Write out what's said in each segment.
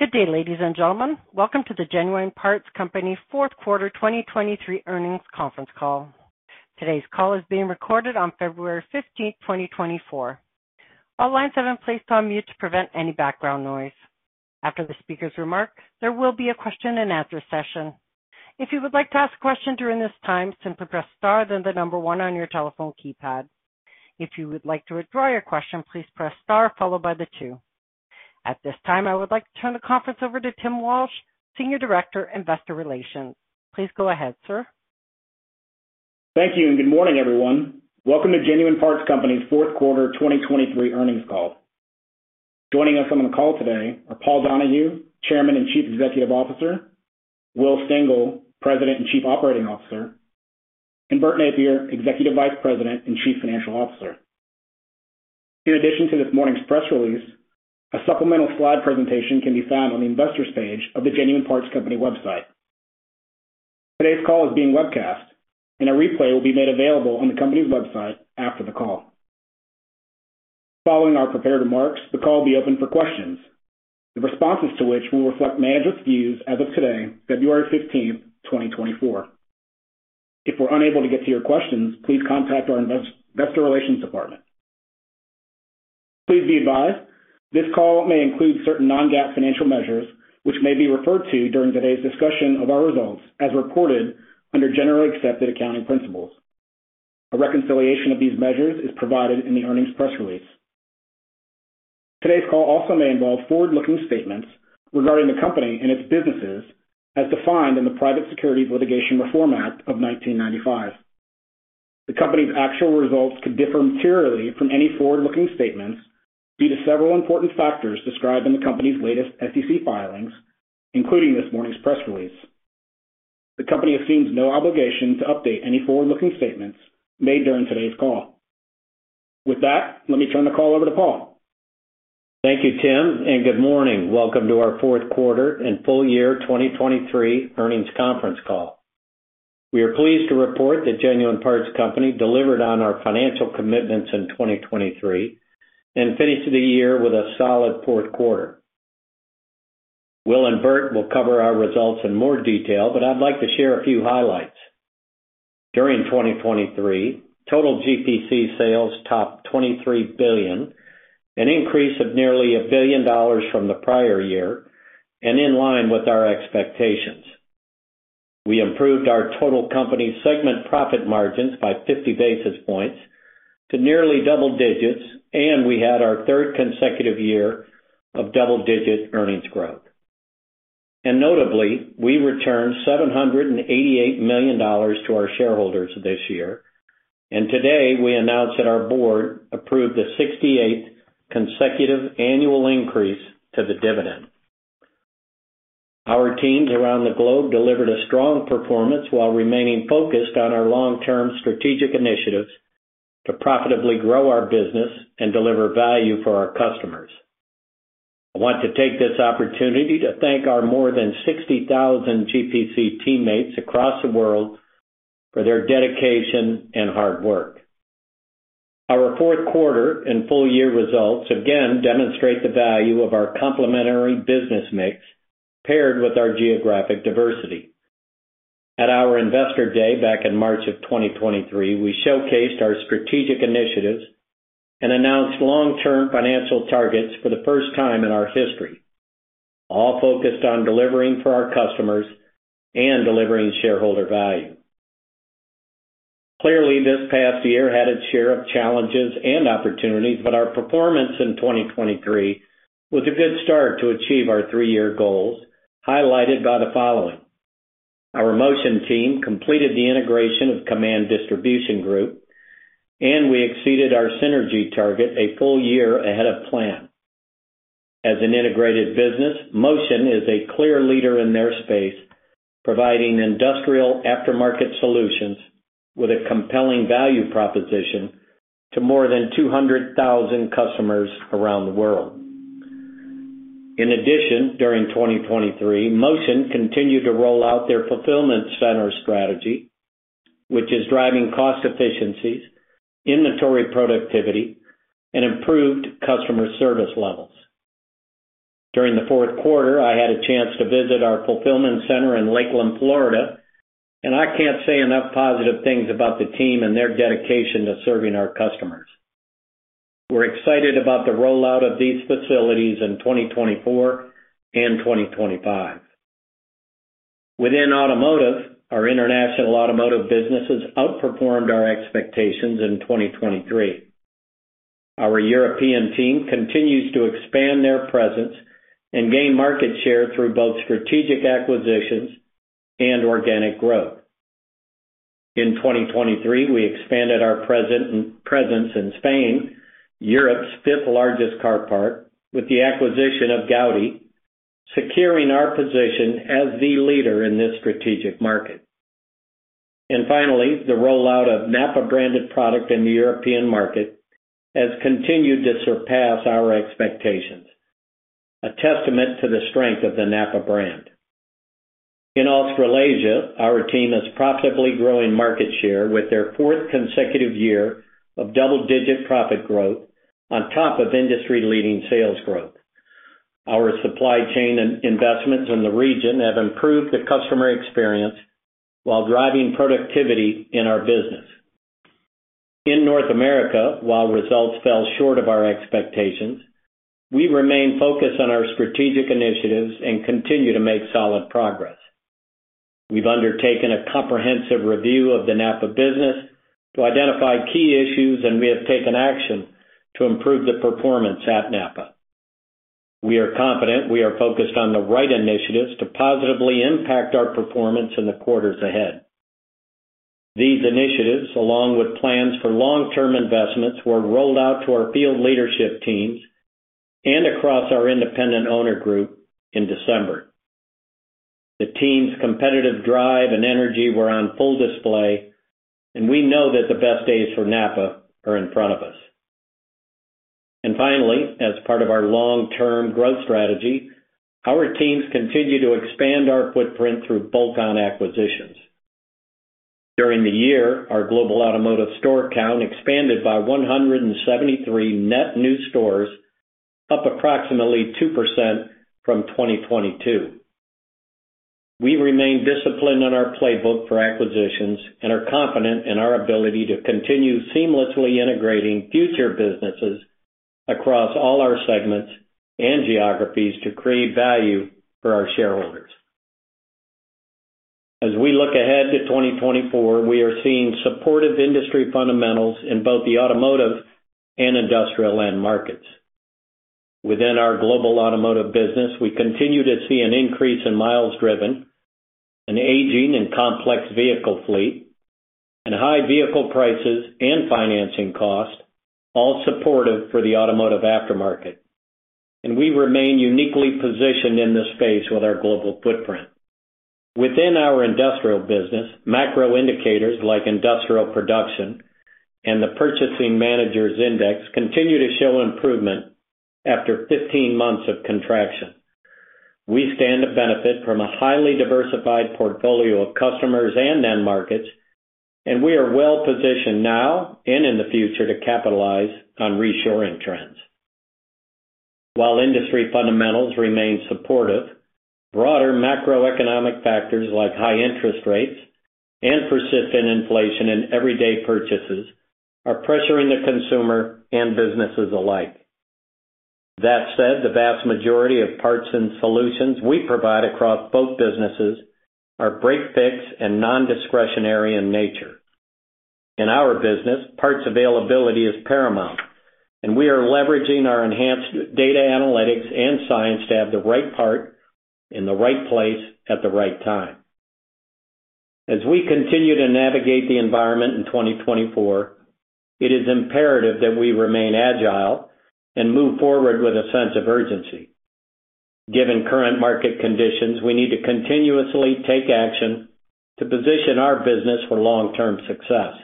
Welcome to the Genuine Parts Company Q4 2023 Earnings Conference Call. Today's call is being recorded on February 15, 2024. All lines have been placed on mute to prevent any background noise. After the speaker's remarks, there will be a question-and-answer session. At this time, I would like to turn the conference over to Tim Walsh, Senior Director, Investor Relations. Please go ahead, sir. Thank you, and good morning, everyone. Welcome to Genuine Parts Company's Q4 2023 earnings call. Joining us on the call today are Paul Donahue, Chairman and Chief Executive Officer, Will Stengel, President and Chief Operating Officer, and Bert Nappier, Executive Vice President and Chief Financial Officer. In addition to this morning's press release, a supplemental slide presentation can be found on the Investors page of the Genuine Parts Company website. Today's call is being webcast, and a replay will be made available on the company's website after the call. Following our prepared remarks, the call will be open for questions, the responses to which will reflect management's views as of today, February fifteenth, 2024. If we're unable to get to your questions, please contact our Investor Relations Department. Please be advised, this call may include certain non-GAAP financial measures, which may be referred to during today's discussion of our results as reported under generally accepted accounting principles. A reconciliation of these measures is provided in the earnings press release. Today's call also may involve forward-looking statements regarding the company and its businesses as defined in the Private Securities Litigation Reform Act of 1995. The company's actual results could differ materially from any forward-looking statements due to several important factors described in the company's latest SEC filings, including this morning's press release. The company assumes no obligation to update any forward-looking statements made during today's call. With that, let me turn the call over to Paul. Thank you, Tim, and good morning. Welcome to our Q4 and full year 2023 earnings conference call. We are pleased to report that Genuine Parts Company delivered on our financial commitments in 2023 and finished the year with a solid Q4. Will and Bert will cover our results in more detail, but I'd like to share a few highlights. During 2023, total GPC sales topped $23 billion, an increase of nearly $1 billion from the prior year and in line with our expectations. We improved our total company segment profit margins by 50 basis points to nearly double digits, and we had our third consecutive year of double-digit earnings growth. And notably, we returned $788 million to our shareholders this year, and today we announce that our board approved the 68th consecutive annual increase to the dividend. Our teams around the globe delivered a strong performance while remaining focused on our long-term strategic initiatives to profitably grow our business and deliver value for our customers. I want to take this opportunity to thank our more than 60,000 GPC teammates across the world for their dedication and hard work. Our Q4 and full-year results again demonstrate the value of our complementary business mix, paired with our geographic diversity. At our Investor Day, back in March 2023, we showcased our strategic initiatives and announced long-term financial targets for the first time in our history, all focused on delivering for our customers and delivering shareholder value. Clearly, this past year had its share of challenges and opportunities, but our performance in 2023 was a good start to achieve our three-year goals, highlighted by the following: Our Motion team completed the integration of Kaman Distribution Group, and we exceeded our synergy target a full year ahead of plan. As an integrated business, Motion is a clear leader in their space, providing industrial aftermarket solutions with a compelling value proposition to more than 200,000 customers around the world. In addition, during 2023, Motion continued to roll out their fulfillment center strategy, which is driving cost efficiencies, inventory productivity, and improved customer service levels. During the Q4, I had a chance to visit our fulfillment center in Lakeland, Florida, and I can't say enough positive things about the team and their dedication to serving our customers. We're excited about the rollout of these facilities in 2024 and 2025. Within Automotive, our international automotive businesses outperformed our expectations in 2023. Our European team continues to expand their presence and gain market share through both strategic acquisitions and organic growth. In 2023, we expanded our presence in Spain, Europe's 5th-largest automotive market, with the acquisition of Gaudi, securing our position as the leader in this strategic market. And finally, the rollout of NAPA-branded product in the European market has continued to surpass our expectations, a testament to the strength of the NAPA brand....In Australasia, our team is profitably growing market share with their 4th consecutive year of double-digit profit growth on top of industry-leading sales growth. Our supply chain and investments in the region have improved the customer experience while driving productivity in our business. In North America, while results fell short of our expectations, we remain focused on our strategic initiatives and continue to make solid progress. We've undertaken a comprehensive review of the NAPA business to identify key issues, and we have taken action to improve the performance at NAPA. We are confident we are focused on the right initiatives to positively impact our performance in the quarters ahead. These initiatives, along with plans for long-term investments, were rolled out to our field leadership teams and across our independent owner group in December. The team's competitive drive and energy were on full display, and we know that the best days for NAPA are in front of us. And finally, as part of our long-term growth strategy, our teams continue to expand our footprint through bolt-on acquisitions. During the year, our global automotive store count expanded by 173 net new stores, up approximately 2% from 2022. We remain disciplined in our playbook for acquisitions and are confident in our ability to continue seamlessly integrating future businesses across all our segments and geographies to create value for our shareholders. As we look ahead to 2024, we are seeing supportive industry fundamentals in both the automotive and industrial end markets. Within our global automotive business, we continue to see an increase in miles driven, an aging and complex vehicle fleet, and high vehicle prices and financing costs, all supportive for the automotive aftermarket, and we remain uniquely positioned in this space with our global footprint. Within our industrial business, macro indicators like industrial production and the Purchasing Managers Index continue to show improvement after 15 months of contraction. We stand to benefit from a highly diversified portfolio of customers and end markets, and we are well positioned now and in the future to capitalize on reshoring trends. While industry fundamentals remain supportive, broader macroeconomic factors like high interest rates and persistent inflation in everyday purchases are pressuring the consumer and businesses alike. That said, the vast majority of parts and solutions we provide across both businesses are break-fix and nondiscretionary in nature. In our business, parts availability is paramount, and we are leveraging our enhanced data analytics and science to have the right part in the right place at the right time. As we continue to navigate the environment in 2024, it is imperative that we remain agile and move forward with a sense of urgency. Given current market conditions, we need to continuously take action to position our business for long-term success.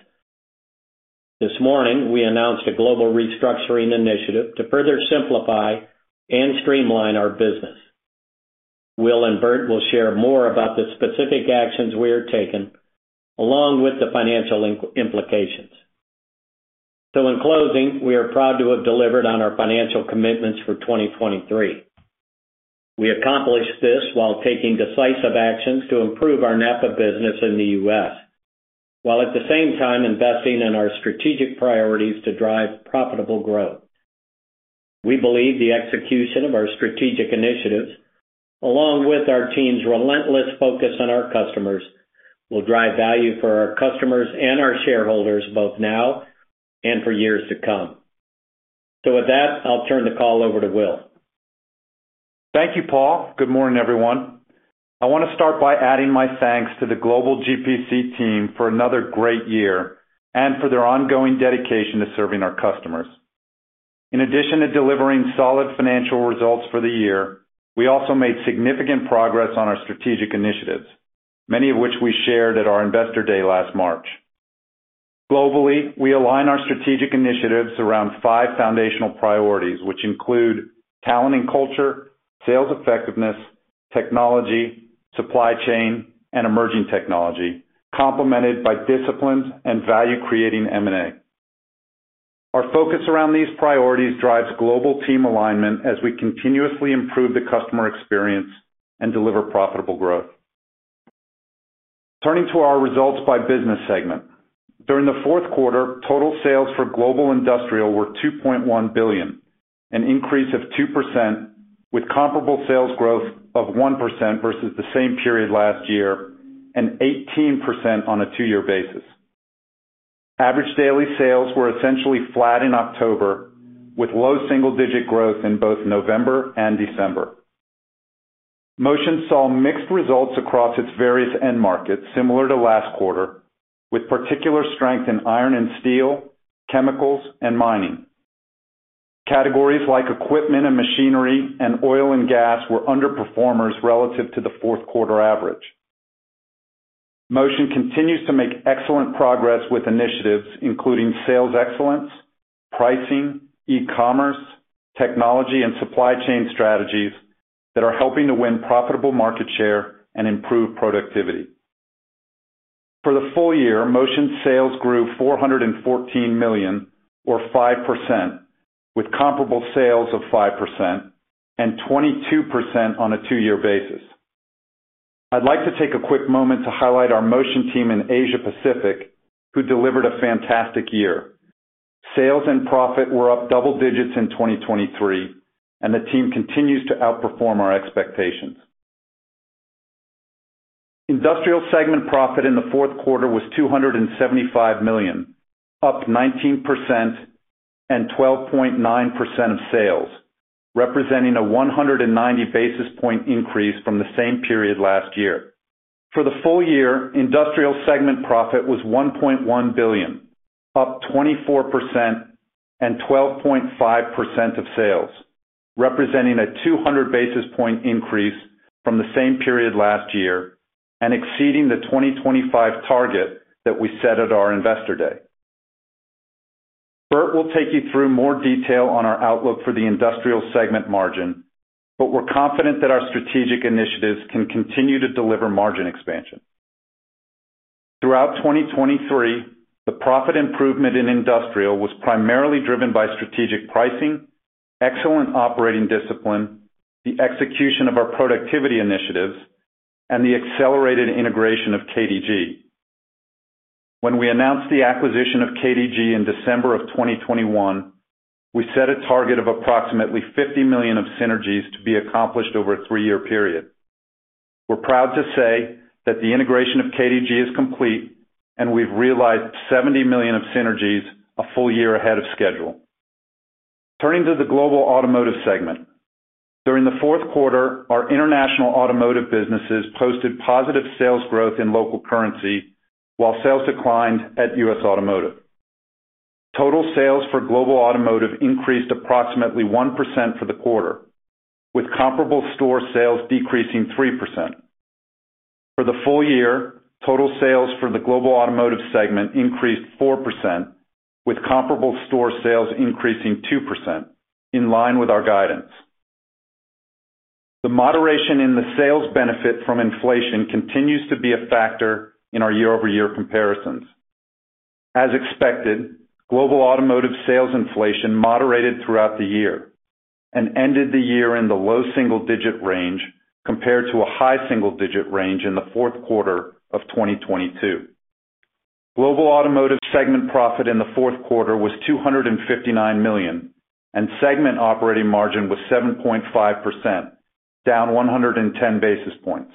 This morning, we announced a global restructuring initiative to further simplify and streamline our business. Will and Bert will share more about the specific actions we are taking, along with the financial implications. So in closing, we are proud to have delivered on our financial commitments for 2023. We accomplished this while taking decisive actions to improve our NAPA business in the U.S., while at the same time investing in our strategic priorities to drive profitable growth. We believe the execution of our strategic initiatives, along with our team's relentless focus on our customers, will drive value for our customers and our shareholders, both now and for years to come. So with that, I'll turn the call over to Will. Thank you, Paul. Good morning, everyone. I want to start by adding my thanks to the global GPC team for another great year and for their ongoing dedication to serving our customers. In addition to delivering solid financial results for the year, we also made significant progress on our strategic initiatives, many of which we shared at our Investor Day last March. Globally, we align our strategic initiatives around five foundational priorities, which include talent and culture, sales effectiveness, technology, supply chain, and emerging technology, complemented by disciplined and value-creating M&A. Our focus around these priorities drives global team alignment as we continuously improve the customer experience and deliver profitable growth. Turning to our results by business segment. During the Q4, total sales for global industrial were $2.1 billion, an increase of 2%, with comparable sales growth of 1% versus the same period last year, and 18% on a 2-year basis. Average daily sales were essentially flat in October, with low single-digit growth in both November and December. Motion saw mixed results across its various end markets, similar to last quarter, with particular strength in iron and steel, chemicals, and mining. Categories like equipment and machinery and oil and gas were underperformers relative to the Q4 average. Motion continues to make excellent progress with initiatives, including sales excellence, pricing, e-commerce, technology, and supply chain strategies, that are helping to win profitable market share and improve productivity. For the full year, Motion sales grew $414 million, or 5%, with comparable sales of 5% and 22% on a 2-year basis. I'd like to take a quick moment to highlight our Motion team in Asia Pacific, who delivered a fantastic year. Sales and profit were up double digits in 2023, and the team continues to outperform our expectations. Industrial segment profit in the Q4 was $275 million, up 19% and 12.9% of sales, representing a 190 basis point increase from the same period last year. For the full year, Industrial segment profit was $1.1 billion, up 24% and 12.5% of sales, representing a 200 basis point increase from the same period last year and exceeding the 2025 target that we set at our Investor Day. Bert will take you through more detail on our outlook for the Industrial segment margin, but we're confident that our strategic initiatives can continue to deliver margin expansion. Throughout 2023, the profit improvement in Industrial was primarily driven by strategic pricing, excellent operating discipline, the execution of our productivity initiatives, and the accelerated integration of KDG. When we announced the acquisition of KDG in December of 2021, we set a target of approximately $50 million of synergies to be accomplished over a 3-year period. We're proud to say that the integration of KDG is complete, and we've realized $70 million of synergies a full year ahead of schedule. Turning to the Global Automotive segment. During the Q4, our international automotive businesses posted positive sales growth in local currency, while sales declined at U.S. Automotive. Total sales for Global Automotive increased approximately 1% for the quarter, with comparable store sales decreasing 3%. For the full year, total sales for the Global Automotive segment increased 4%, with comparable store sales increasing 2%, in line with our guidance. The moderation in the sales benefit from inflation continues to be a factor in our year-over-year comparisons. As expected, Global Automotive sales inflation moderated throughout the year and ended the year in the low single-digit range, compared to a high single-digit range in the Q4 of 2022. Global Automotive segment profit in the Q4 was $259 million, and segment operating margin was 7.5%, down 110 basis points.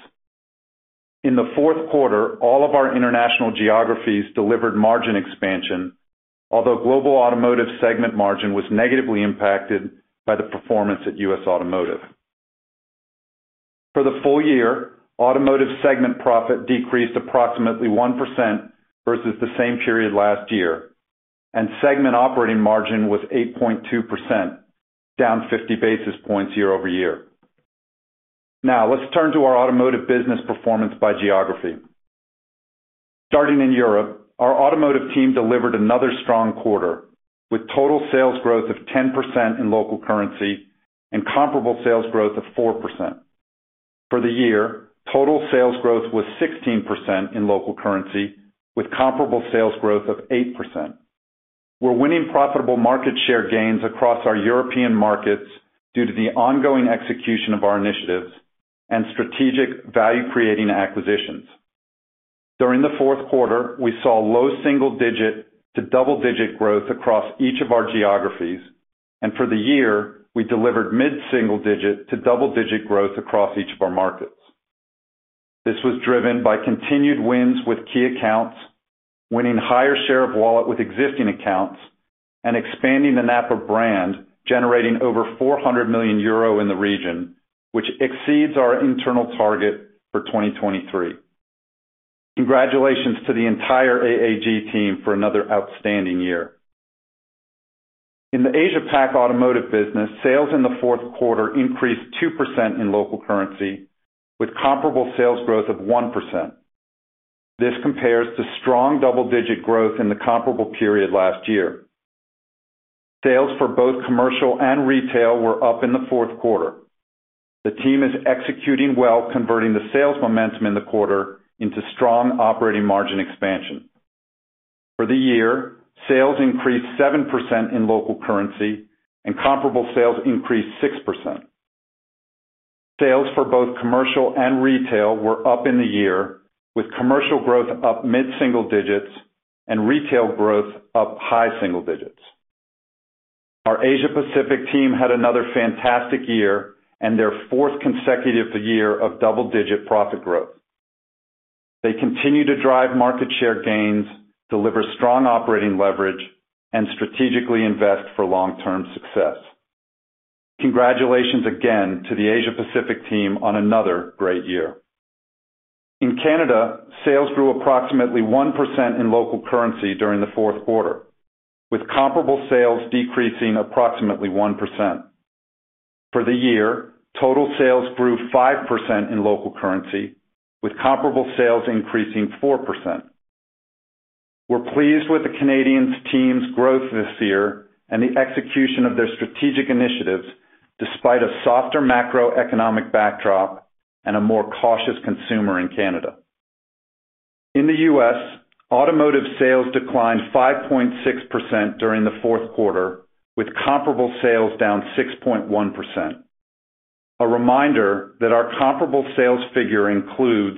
In the Q4, all of our international geographies delivered margin expansion, although Global Automotive segment margin was negatively impacted by the performance at US Automotive. For the full year, Automotive segment profit decreased approximately 1% versus the same period last year, and segment operating margin was 8.2%, down 50 basis points year-over-year. Now, let's turn to our Automotive business performance by geography. Starting in Europe, our Automotive team delivered another strong quarter, with total sales growth of 10% in local currency and comparable sales growth of 4%. For the year, total sales growth was 16% in local currency, with comparable sales growth of 8%. We're winning profitable market share gains across our European markets due to the ongoing execution of our initiatives and strategic value-creating acquisitions. During the Q4, we saw low single-digit to double-digit growth across each of our geographies, and for the year, we delivered mid single-digit to double-digit growth across each of our markets. This was driven by continued wins with key accounts, winning higher share of wallet with existing accounts, and expanding the NAPA brand, generating over 400 million euro in the region, which exceeds our internal target for 2023. Congratulations to the entire AAG team for another outstanding year. In the Asia Pac Automotive business, sales in the Q4 increased 2% in local currency, with comparable sales growth of 1%. This compares to strong double-digit growth in the comparable period last year. Sales for both commercial and retail were up in the Q4. The team is executing well, converting the sales momentum in the quarter into strong operating margin expansion. For the year, sales increased 7% in local currency, and comparable sales increased 6%. Sales for both commercial and retail were up in the year, with commercial growth up mid-single digits and retail growth up high single digits. Our Asia Pacific team had another fantastic year and their fourth consecutive year of double-digit profit growth. They continue to drive market share gains, deliver strong operating leverage, and strategically invest for long-term success. Congratulations again to the Asia Pacific team on another great year. In Canada, sales grew approximately 1% in local currency during the Q4, with comparable sales decreasing approximately 1%. For the year, total sales grew 5% in local currency, with comparable sales increasing 4%. We're pleased with the Canadian team's growth this year and the execution of their strategic initiatives, despite a softer macroeconomic backdrop and a more cautious consumer in Canada. In the U.S., automotive sales declined 5.6% during the Q4, with comparable sales down 6.1%. A reminder that our comparable sales figure includes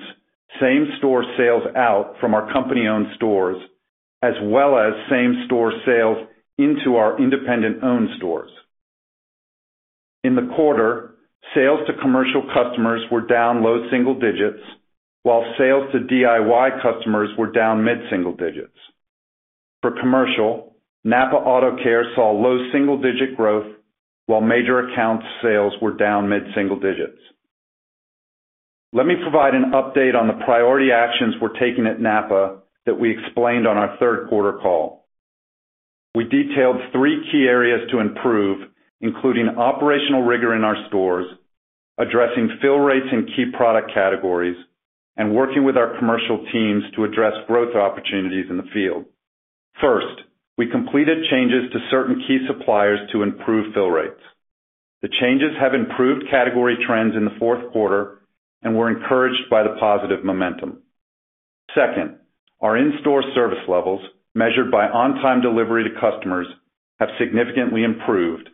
same-store sales out from our company-owned stores, as well as same-store sales into our independent-owned stores. In the quarter, sales to commercial customers were down low single digits, while sales to DIY customers were down mid-single digits. For commercial, NAPA AutoCare saw low single-digit growth, while major account sales were down mid-single digits. Let me provide an update on the priority actions we're taking at NAPA that we explained on our Q3 call. We detailed three key areas to improve, including operational rigor in our stores, addressing fill rates in key product categories, and working with our commercial teams to address growth opportunities in the field. First, we completed changes to certain key suppliers to improve fill rates. The changes have improved category trends in the Q4, and we're encouraged by the positive momentum. Second, our in-store service levels, measured by on-time delivery to customers, have significantly improved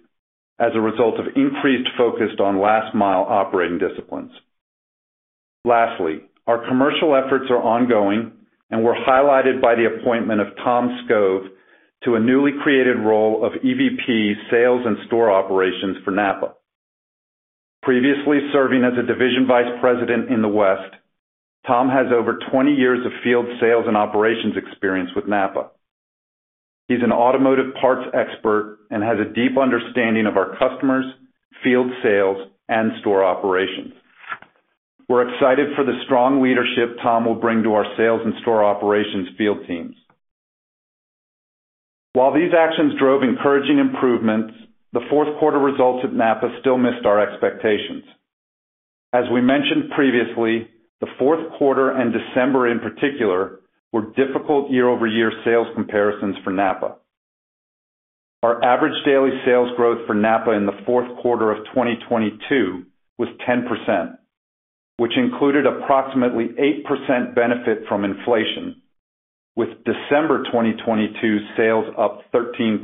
as a result of increased focus on last mile operating disciplines. Lastly, our commercial efforts are ongoing and were highlighted by the appointment of Tom Skov to a newly created role of EVP, Sales and Store Operations for NAPA. Previously serving as a Division Vice President in the West, Tom has over 20 years of field sales and operations experience with NAPA. He's an automotive parts expert and has a deep understanding of our customers, field sales, and store operations. We're excited for the strong leadership Tom will bring to our sales and store operations field teams. While these actions drove encouraging improvements, the Q4 results at NAPA still missed our expectations. As we mentioned previously, the Q4 and December, in particular, were difficult year-over-year sales comparisons for NAPA. Our average daily sales growth for NAPA in the Q4 of 2022 was 10%, which included approximately 8% benefit from inflation, with December 2022 sales up 13%.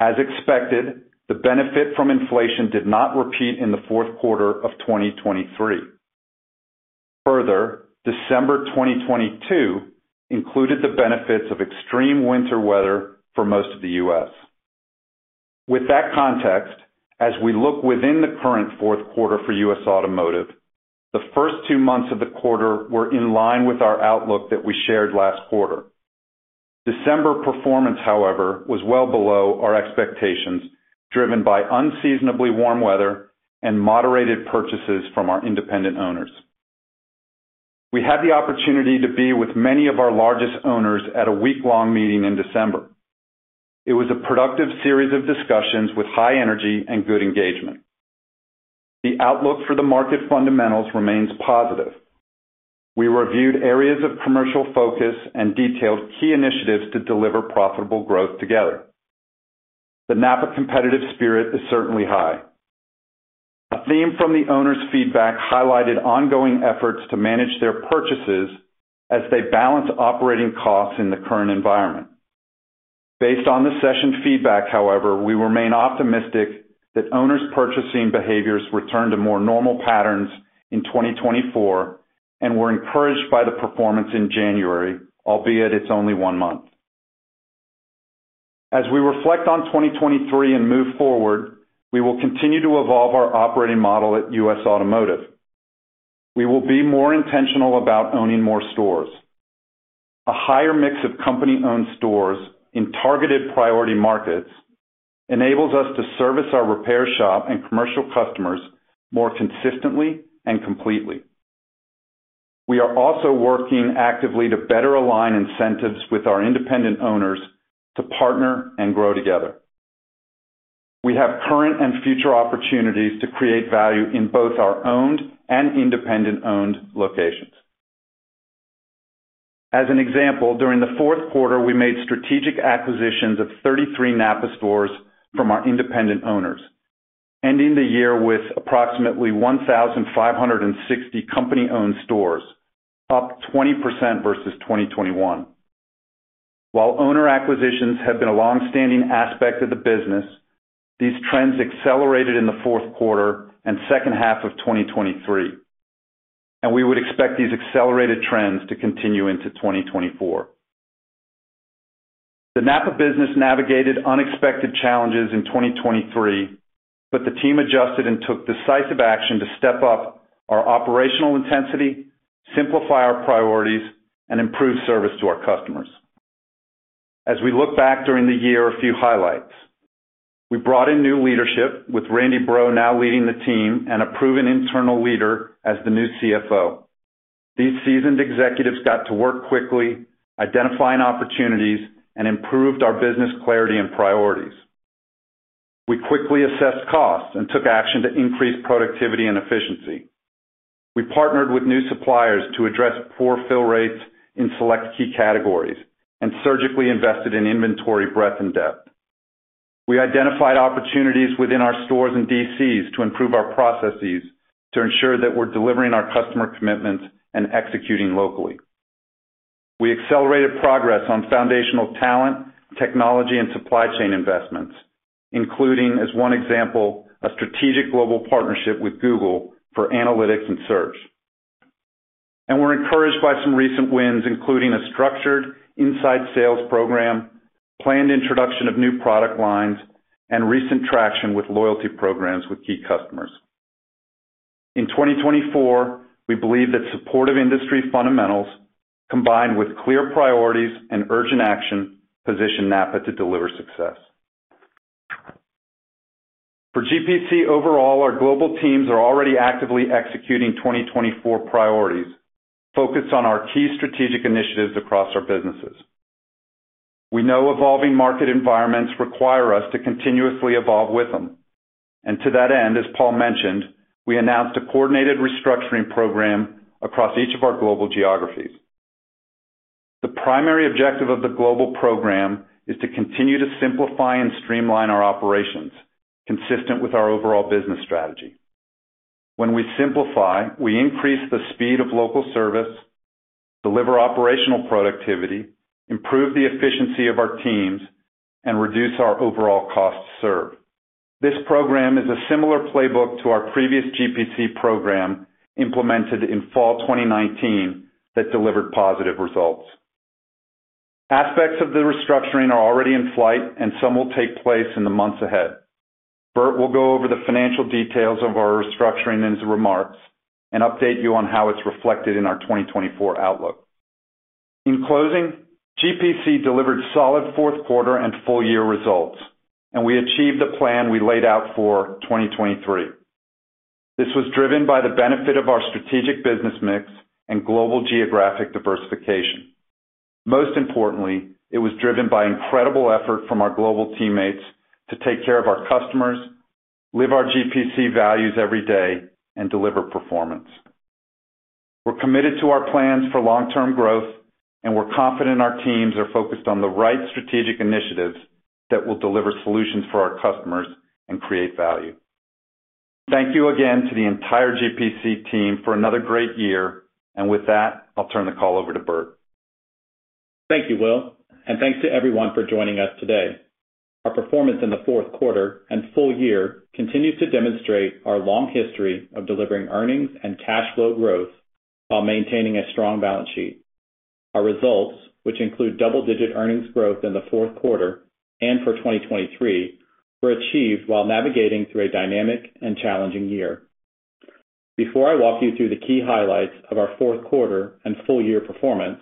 As expected, the benefit from inflation did not repeat in the Q4 of 2023. Further, December 2022 included the benefits of extreme winter weather for most of the U.S. With that context, as we look within the current Q4 for U.S. Automotive, the first two months of the quarter were in line with our outlook that we shared last quarter. December performance, however, was well below our expectations, driven by unseasonably warm weather and moderated purchases from our independent owners. We had the opportunity to be with many of our largest owners at a week-long meeting in December. It was a productive series of discussions with high energy and good engagement. The outlook for the market fundamentals remains positive. We reviewed areas of commercial focus and detailed key initiatives to deliver profitable growth together. The NAPA competitive spirit is certainly high. A theme from the owners' feedback highlighted ongoing efforts to manage their purchases as they balance operating costs in the current environment. Based on the session feedback, however, we remain optimistic that owners' purchasing behaviors return to more normal patterns in 2024, and we're encouraged by the performance in January, albeit it's only one month. As we reflect on 2023 and move forward, we will continue to evolve our operating model at U.S. Automotive. We will be more intentional about owning more stores. A higher mix of company-owned stores in targeted priority markets enables us to service our repair shop and commercial customers more consistently and completely. We are also working actively to better align incentives with our independent owners to partner and grow together. We have current and future opportunities to create value in both our owned and independent-owned locations. As an example, during the Q4, we made strategic acquisitions of 33 NAPA stores from our independent owners, ending the year with approximately 1,560 company-owned stores, up 20% versus 2021. While owner acquisitions have been a long-standing aspect of the business, these trends accelerated in the Q4 and H2 of 2023, and we would expect these accelerated trends to continue into 2024. The NAPA business navigated unexpected challenges in 2023, but the team adjusted and took decisive action to step up our operational intensity, simplify our priorities, and improve service to our customers. As we look back during the year, a few highlights. We brought in new leadership, with Randy Breaux now leading the team and a proven internal leader as the new CFO.... These seasoned executives got to work quickly, identifying opportunities, and improved our business clarity and priorities. We quickly assessed costs and took action to increase productivity and efficiency. We partnered with new suppliers to address poor fill rates in select key categories and surgically invested in inventory breadth and depth. We identified opportunities within our stores and DCs to improve our processes to ensure that we're delivering our customer commitments and executing locally. We accelerated progress on foundational talent, technology, and supply chain investments, including, as one example, a strategic global partnership with Google for analytics and search. And we're encouraged by some recent wins, including a structured inside sales program, planned introduction of new product lines, and recent traction with loyalty programs with key customers. In 2024, we believe that supportive industry fundamentals, combined with clear priorities and urgent action, position NAPA to deliver success. For GPC overall, our global teams are already actively executing 2024 priorities, focused on our key strategic initiatives across our businesses. We know evolving market environments require us to continuously evolve with them, and to that end, as Paul mentioned, we announced a coordinated restructuring program across each of our global geographies. The primary objective of the global program is to continue to simplify and streamline our operations, consistent with our overall business strategy. When we simplify, we increase the speed of local service, deliver operational productivity, improve the efficiency of our teams, and reduce our overall cost to serve. This program is a similar playbook to our previous GPC program, implemented in fall 2019, that delivered positive results. Aspects of the restructuring are already in flight, and some will take place in the months ahead. Bert will go over the financial details of our restructuring in his remarks and update you on how it's reflected in our 2024 outlook. In closing, GPC delivered solid Q4 and full year results, and we achieved the plan we laid out for 2023. This was driven by the benefit of our strategic business mix and global geographic diversification. Most importantly, it was driven by incredible effort from our global teammates to take care of our customers, live our GPC values every day, and deliver performance. We're committed to our plans for long-term growth, and we're confident our teams are focused on the right strategic initiatives that will deliver solutions for our customers and create value. Thank you again to the entire GPC team for another great year. With that, I'll turn the call over to Bert. Thank you, Will, and thanks to everyone for joining us today. Our performance in the Q4 and full year continues to demonstrate our long history of delivering earnings and cash flow growth while maintaining a strong balance sheet. Our results, which include double-digit earnings growth in the Q4 and for 2023, were achieved while navigating through a dynamic and challenging year. Before I walk you through the key highlights of our Q4 and full year performance,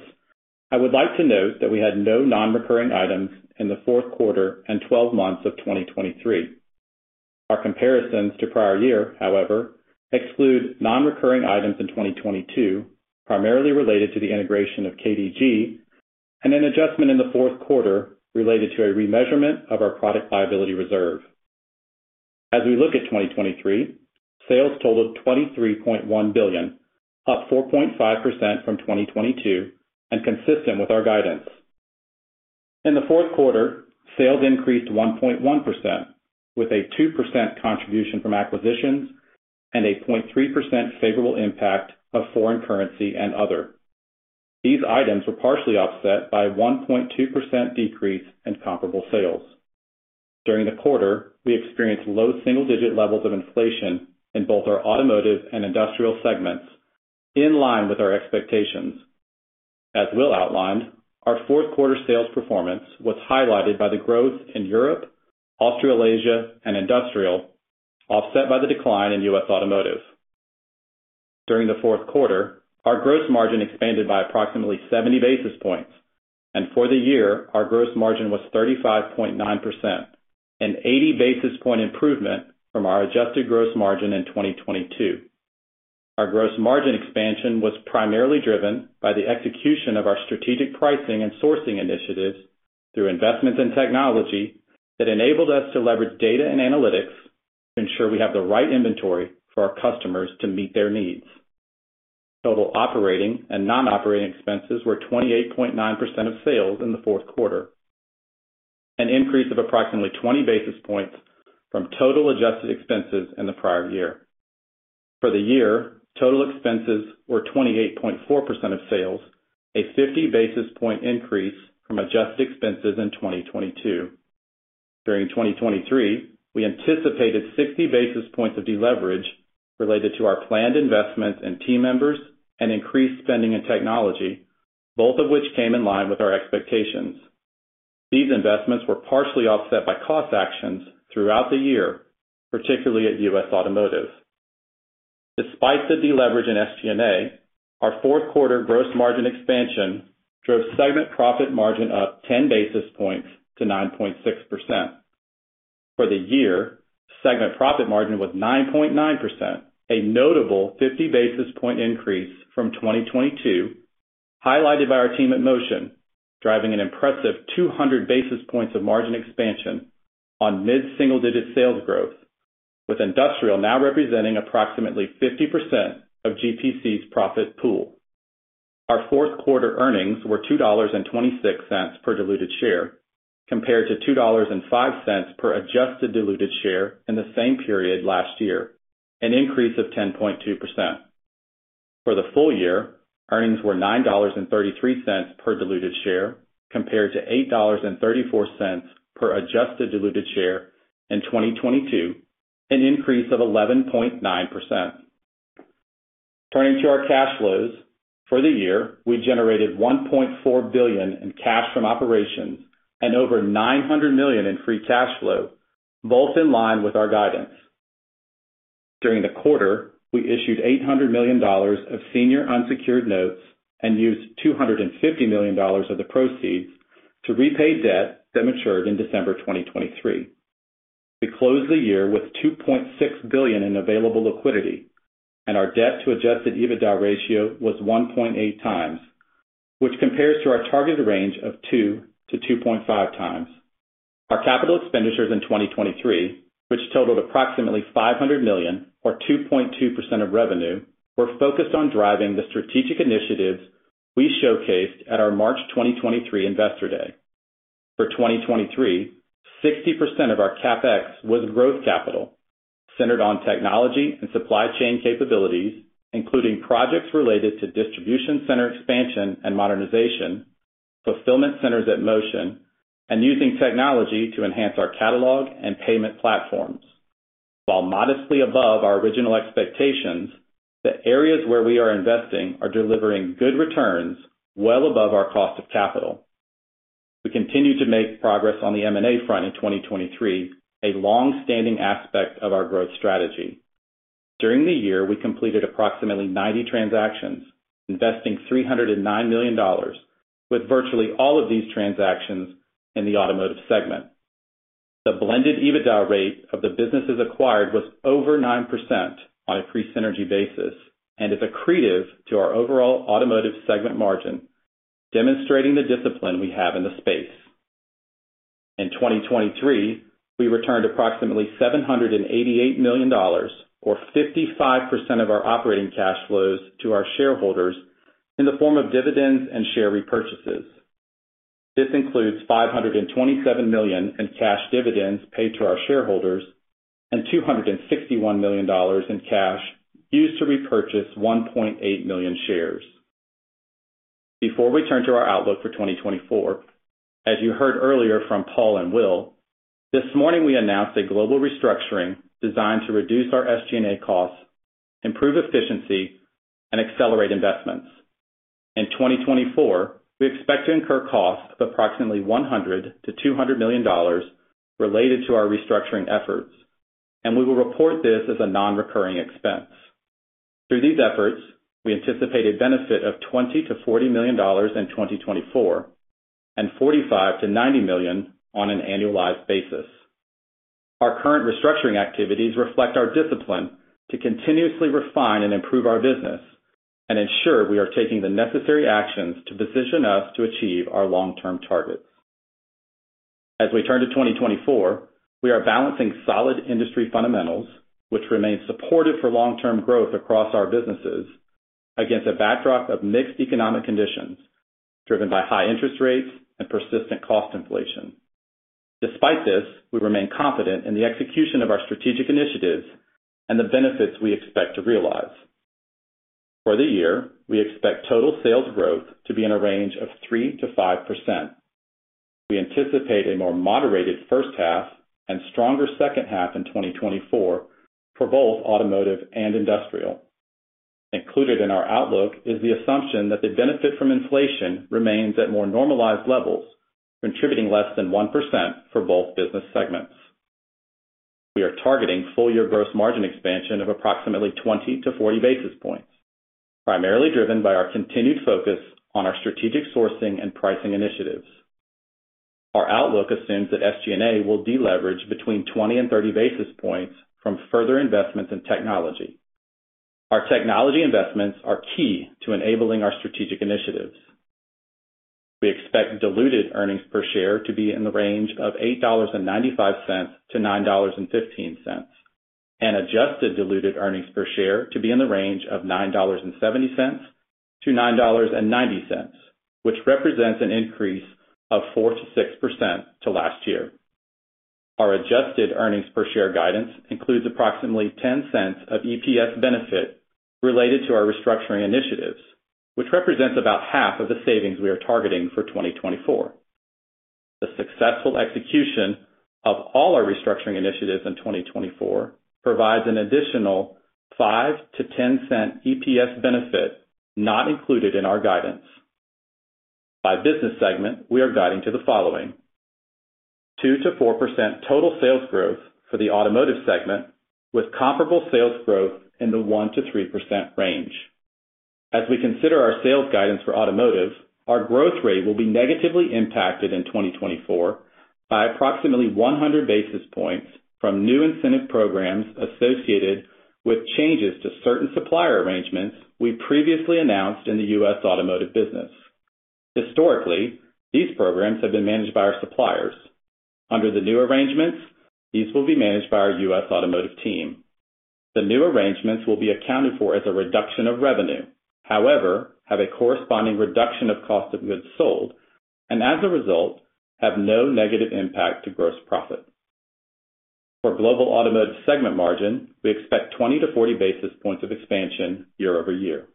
I would like to note that we had no non-recurring items in the Q4 and 12 months of 2023. Our comparisons to prior year, however, exclude non-recurring items in 2022, primarily related to the integration of KDG and an adjustment in the Q4 related to a remeasurement of our product liability reserve. As we look at 2023, sales totaled $23.1 billion, up 4.5% from 2022, and consistent with our guidance. In the Q4, sales increased 1.1%, with a 2% contribution from acquisitions and a 0.3% favorable impact of foreign currency and other. These items were partially offset by 1.2% decrease in comparable sales. During the quarter, we experienced low single-digit levels of inflation in both our automotive and industrial segments, in line with our expectations. As Will outlined, our Q4 sales performance was highlighted by the growth in Europe, Australasia, and Industrial, offset by the decline in U.S. Automotive. During the Q4, our gross margin expanded by approximately 70 basis points, and for the year, our gross margin was 35.9%, an 80 basis point improvement from our adjusted gross margin in 2022. Our gross margin expansion was primarily driven by the execution of our strategic pricing and sourcing initiatives through investments in technology that enabled us to leverage data and analytics to ensure we have the right inventory for our customers to meet their needs. Total operating and non-operating expenses were 28.9% of sales in the Q4, an increase of approximately 20 basis points from total adjusted expenses in the prior year. For the year, total expenses were 28.4% of sales, a 50 basis point increase from adjusted expenses in 2022. During 2023, we anticipated 60 basis points of deleverage related to our planned investments in team members and increased spending in technology, both of which came in line with our expectations. These investments were partially offset by cost actions throughout the year, particularly at U.S. Automotive. Despite the deleverage in SG&A, our Q4 gross margin expansion drove segment profit margin up 10 basis points to 9.6%.... For the year, segment profit margin was 9.9%, a notable 50 basis point increase from 2022, highlighted by our team at Motion, driving an impressive 200 basis points of margin expansion on mid-single-digit sales growth, with Industrial now representing approximately 50% of GPC's profit pool. Our Q4 earnings were $2.26 per diluted share, compared to $2.05 per adjusted diluted share in the same period last year, an increase of 10.2%. For the full year, earnings were $9.33 per diluted share, compared to $8.34 per adjusted diluted share in 2022, an increase of 11.9%. Turning to our cash flows. For the year, we generated $1.4 billion in cash from operations and over $900 million in free cash flow, both in line with our guidance. During the quarter, we issued $800 million of senior unsecured notes and used $250 million of the proceeds to repay debt that matured in December 2023. We closed the year with $2.6 billion in available liquidity, and our debt to adjusted EBITDA ratio was 1.8x, which compares to our targeted range of 2x-2.5x. Our capital expenditures in 2023, which totaled approximately $500 million, or 2.2% of revenue, were focused on driving the strategic initiatives we showcased at our March 2023 Investor Day. For 2023, 60% of our CapEx was growth capital, centered on technology and supply chain capabilities, including projects related to distribution center expansion and modernization, fulfillment centers at Motion, and using technology to enhance our catalog and payment platforms. While modestly above our original expectations, the areas where we are investing are delivering good returns well above our cost of capital. We continued to make progress on the M&A front in 2023, a long-standing aspect of our growth strategy. During the year, we completed approximately 90 transactions, investing $309 million, with virtually all of these transactions in the Automotive segment. The blended EBITDA rate of the businesses acquired was over 9% on a pre-synergy basis and is accretive to our overall Automotive segment margin, demonstrating the discipline we have in the space. In 2023, we returned approximately $788 million, or 55% of our operating cash flows, to our shareholders in the form of dividends and share repurchases. This includes $527 million in cash dividends paid to our shareholders and $261 million in cash used to repurchase 1.8 million shares. Before we turn to our outlook for 2024, as you heard earlier from Paul and Will, this morning we announced a global restructuring designed to reduce our SG&A costs, improve efficiency, and accelerate investments. In 2024, we expect to incur costs of approximately $100 million-$200 million related to our restructuring efforts, and we will report this as a non-recurring expense. Through these efforts, we anticipate a benefit of $20 million-$40 million in 2024 and $45 million-$90 million on an annualized basis. Our current restructuring activities reflect our discipline to continuously refine and improve our business and ensure we are taking the necessary actions to position us to achieve our long-term targets. As we turn to 2024, we are balancing solid industry fundamentals, which remain supportive for long-term growth across our businesses, against a backdrop of mixed economic conditions, driven by high interest rates and persistent cost inflation. Despite this, we remain confident in the execution of our strategic initiatives and the benefits we expect to realize. For the year, we expect total sales growth to be in a range of 3%-5%. We anticipate a more moderated H1 and stronger H2 in 2024 for both Automotive and Industrial. Included in our outlook is the assumption that the benefit from inflation remains at more normalized levels, contributing less than 1% for both business segments. We are targeting full year gross margin expansion of approximately 20-40 basis points, primarily driven by our continued focus on our strategic sourcing and pricing initiatives. Our outlook assumes that SG&A will deleverage between 20-30 basis points from further investments in technology. Our technology investments are key to enabling our strategic initiatives. We expect diluted earnings per share to be in the range of $8.95-$9.15, and adjusted diluted earnings per share to be in the range of $9.70-$9.90, which represents an increase of 4%-6% to last year. Our adjusted earnings per share guidance includes approximately $0.10 of EPS benefit related to our restructuring initiatives, which represents about half of the savings we are targeting for 2024. The successful execution of all our restructuring initiatives in 2024 provides an additional $0.05-$0.10 EPS benefit, not included in our guidance. By business segment, we are guiding to the following: 2%-4% total sales growth for the Automotive segment, with comparable sales growth in the 1%-3% range. As we consider our sales guidance for automotive, our growth rate will be negatively impacted in 2024 by approximately 100 basis points from new incentive programs associated with changes to certain supplier arrangements we previously announced in the U.S. automotive business. Historically, these programs have been managed by our suppliers. Under the new arrangements, these will be managed by our U.S. automotive team. The new arrangements will be accounted for as a reduction of revenue, however, have a corresponding reduction of cost of goods sold, and as a result, have no negative impact to gross profit. For global automotive segment margin, we expect 20-40 basis points of expansion year-over-year.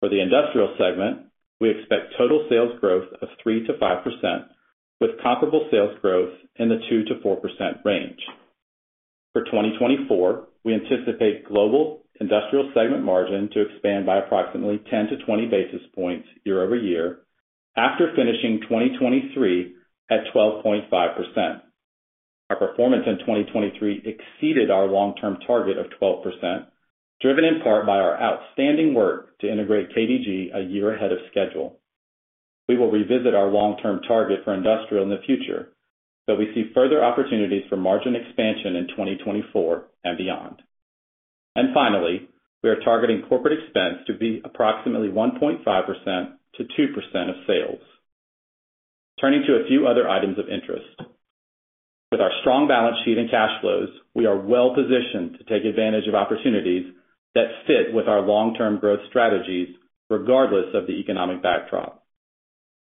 For the industrial segment, we expect total sales growth of 3%-5%, with comparable sales growth in the 2%-4% range. For 2024, we anticipate global industrial segment margin to expand by approximately 10-20 basis points year-over-year, after finishing 2023 at 12.5%. Our performance in 2023 exceeded our long-term target of 12%, driven in part by our outstanding work to integrate KDG a year ahead of schedule. We will revisit our long-term target for industrial in the future, but we see further opportunities for margin expansion in 2024 and beyond. Finally, we are targeting corporate expense to be approximately 1.5%-2% of sales. Turning to a few other items of interest. With our strong balance sheet and cash flows, we are well positioned to take advantage of opportunities that fit with our long-term growth strategies, regardless of the economic backdrop.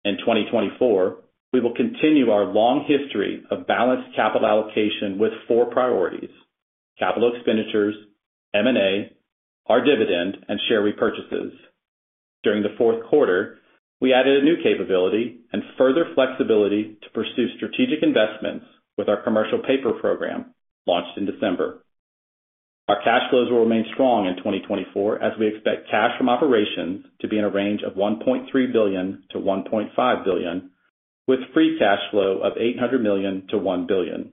In 2024, we will continue our long history of balanced capital allocation with four priorities: capital expenditures, M&A, our dividend, and share repurchases. During the Q4, we added a new capability and further flexibility to pursue strategic investments with our commercial paper program, launched in December. Our cash flows will remain strong in 2024, as we expect cash from operations to be in a range of $1.3 billion-$1.5 billion, with free cash flow of $800 million-$1 billion.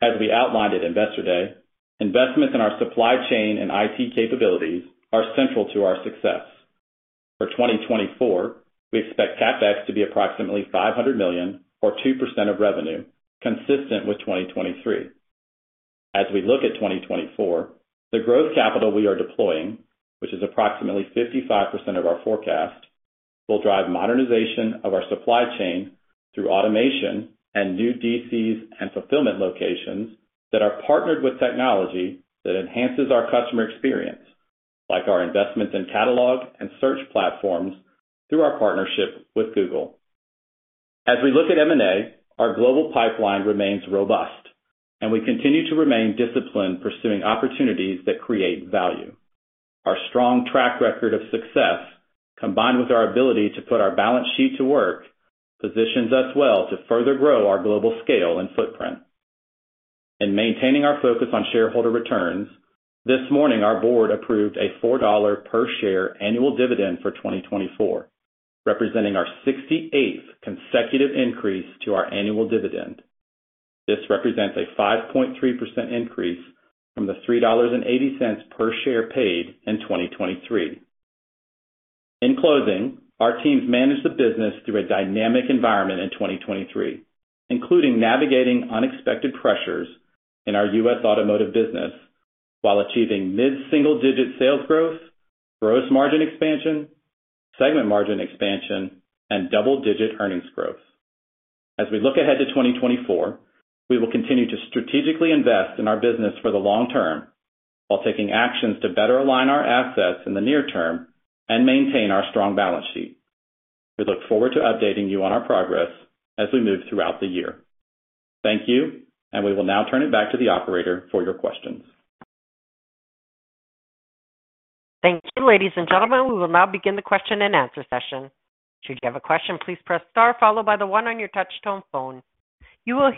As we outlined at Investor Day, investments in our supply chain and IT capabilities are central to our success. For 2024, we expect CapEx to be approximately $500 million, or 2% of revenue, consistent with 2023. As we look at 2024, the growth capital we are deploying, which is approximately 55% of our forecast, will drive modernization of our supply chain through automation and new DCs and fulfillment locations that are partnered with technology that enhances our customer experience, like our investments in catalog and search platforms through our partnership with Google. As we look at M&A, our global pipeline remains robust, and we continue to remain disciplined, pursuing opportunities that create value. Our strong track record of success, combined with our ability to put our balance sheet to work, positions us well to further grow our global scale and footprint. In maintaining our focus on shareholder returns, this morning, our board approved a $4 per share annual dividend for 2024, representing our 68th consecutive increase to our annual dividend. This represents a 5.3% increase from the $3.80 per share paid in 2023. In closing, our teams managed the business through a dynamic environment in 2023, including navigating unexpected pressures in our U.S. automotive business while achieving mid-single-digit sales growth, gross margin expansion, segment margin expansion, and double-digit earnings growth. As we look ahead to 2024, we will continue to strategically invest in our business for the long term while taking actions to better align our assets in the near term and maintain our strong balance sheet. We look forward to updating you on our progress as we move throughout the year. Thank you, and we will now turn it back to the operator for your questions. We will now begin the question and answer session. Your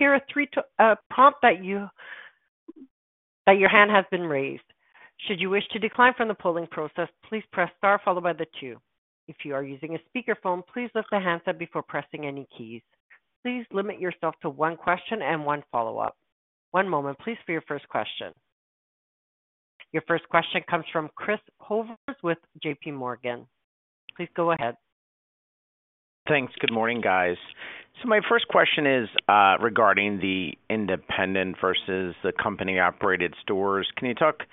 first question comes from Chris Horvers with JPMorgan. Please go ahead. Thanks. Good morning, guys. So my first question is, regarding the independent versus the company-operated stores. Can you talk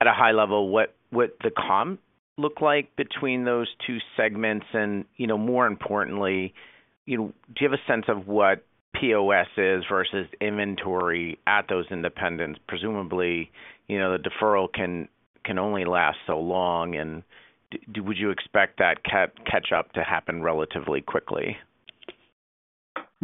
at a high level, what the comp look like between those two segments? And, you know, more importantly, you know, do you have a sense of what POS is versus inventory at those independents? Presumably, you know, the deferral can only last so long, and would you expect that catch up to happen relatively quickly?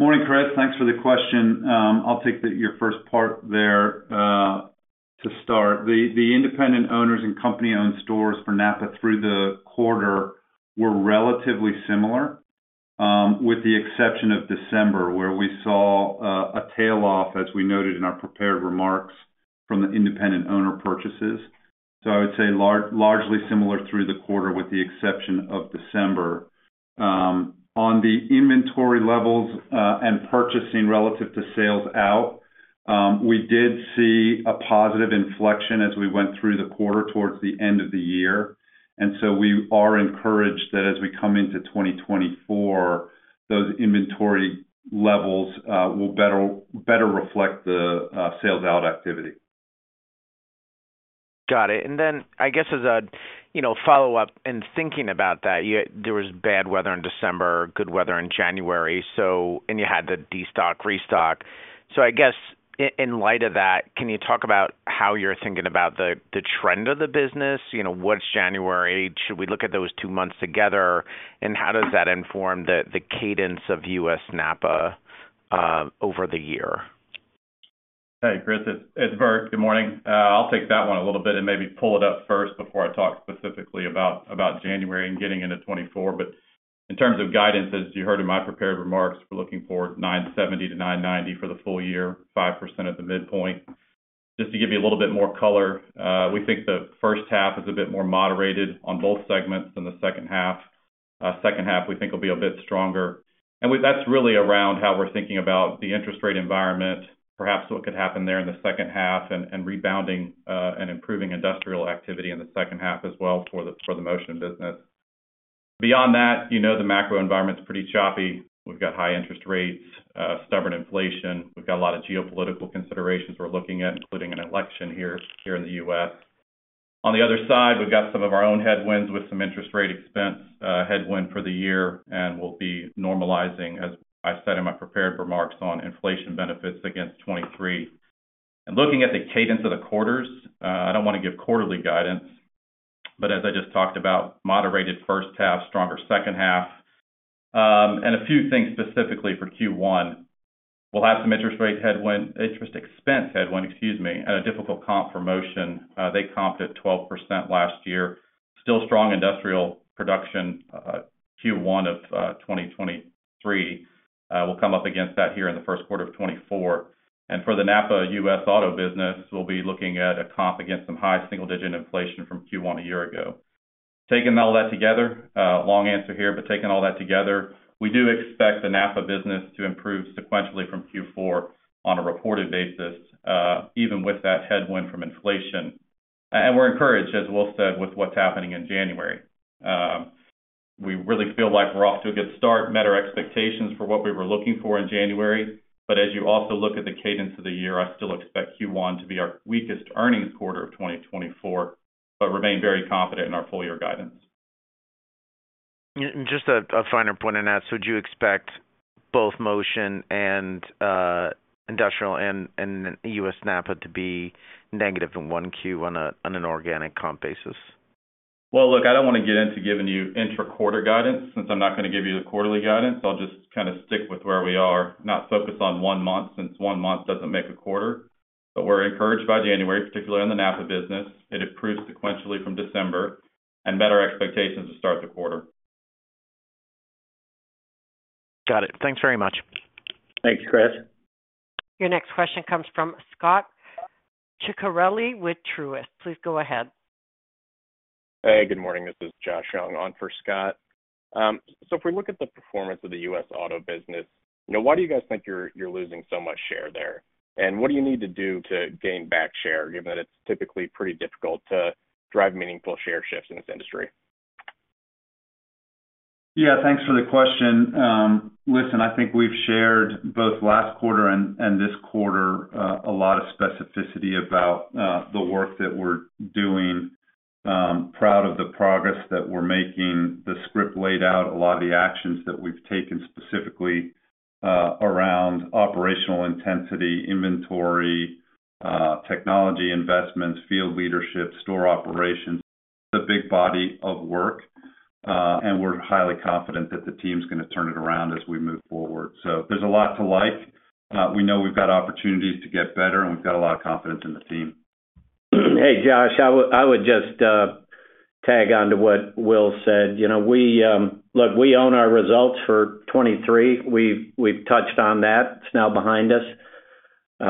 Morning, Chris. Thanks for the question. I'll take your first part there to start. The independent owners and company-owned stores for NAPA through the quarter were relatively similar, with the exception of December, where we saw a tailoff, as we noted in our prepared remarks, from the independent owner purchases. So I would say largely similar through the quarter, with the exception of December. On the inventory levels, and purchasing relative to sales out- We did see a positive inflection as we went through the quarter towards the end of the year, and so we are encouraged that as we come into 2024, those inventory levels will better reflect the sales out activity. Got it. And then I guess as a, you know, follow-up and thinking about that, you, there was bad weather in December, good weather in January, so and you had the destock, restock. So I guess in light of that, can you talk about how you're thinking about the, the trend of the business? You know, what's January? Should we look at those two months together? And how does that inform the, the cadence of U.S. NAPA over the year?. Hey, Chris, it's Bert. Good morning. I'll take that one a little bit and maybe pull it up first before I talk specifically about January and getting into 2024. But in terms of guidance, as you heard in my prepared remarks, we're looking for $9.70-$9.90 for the full year, 5% at the midpoint. Just to give you a little bit more color, we think the H1 is a bit more moderated on both segments than the H2. H2, we think, will be a bit stronger. And that's really around how we're thinking about the interest rate environment, perhaps what could happen there in the H2, and rebounding and improving industrial activity in the H2 as well for the Motion business. Beyond that, you know, the macro environment is pretty choppy. We've got high interest rates, stubborn inflation. We've got a lot of geopolitical considerations we're looking at, including an election here, here in the U.S. On the other side, we've got some of our own headwinds, with some interest rate expense headwind for the year, and we'll be normalizing, as I said in my prepared remarks on inflation benefits, against 2023. And looking at the cadence of the quarters, I don't want to give quarterly guidance, but as I just talked about, moderated H1, stronger H2. And a few things specifically for Q1. We'll have some interest rate headwind, interest expense headwind, excuse me, and a difficult comp for Motion. They comped at 12% last year. Still strong industrial production, Q1 of 2023. We'll come up against that here in the Q1 of 2024. For the NAPA US auto business, we'll be looking at a comp against some high single-digit inflation from Q1 a year ago. Taking all that together, long answer here, but taking all that together, we do expect the NAPA business to improve sequentially from Q4 on a reported basis, even with that headwind from inflation. And we're encouraged, as Will said, with what's happening in January. We really feel like we're off to a good start, met our expectations for what we were looking for in January. As you also look at the cadence of the year, I still expect Q1 to be our weakest earnings quarter of 2024, but remain very confident in our full year guidance. Just a finer point on that: so would you expect both Motion and industrial and U.S. NAPA to be negative in one Q on an organic comp basis? Well, look, I don't want to get into giving you intra-quarter guidance. Since I'm not going to give you the quarterly guidance, I'll just kind of stick with where we are, not focus on one month, since one month doesn't make a quarter. But we're encouraged by January, particularly in the NAPA business. It improved sequentially from December and met our expectations to start the quarter. Got it. Thanks very much. Thank you, Chris. Your next question comes from Scott Ciccarelli with Truist. Please go ahead. Hey, good morning. This is Josh Young on for Scott. So if we look at the performance of the U.S. auto business, you know, why do you guys think you're, you're losing so much share there? And what do you need to do to gain back share, given that it's typically pretty difficult to drive meaningful share shifts in this industry? Yeah, thanks for the question. Listen, I think we've shared, both last quarter and this quarter, a lot of specificity about the work that we're doing. Proud of the progress that we're making. The script laid out a lot of the actions that we've taken specifically around operational intensity, inventory, technology investments, field leadership, store operations. It's a big body of work, and we're highly confident that the team's going to turn it around as we move forward. So there's a lot to like. We know we've got opportunities to get better, and we've got a lot of confidence in the team. Hey, Josh, I would just tag on to what Will said. You know, look, we own our results for 2023. We've touched on that. It's now behind us.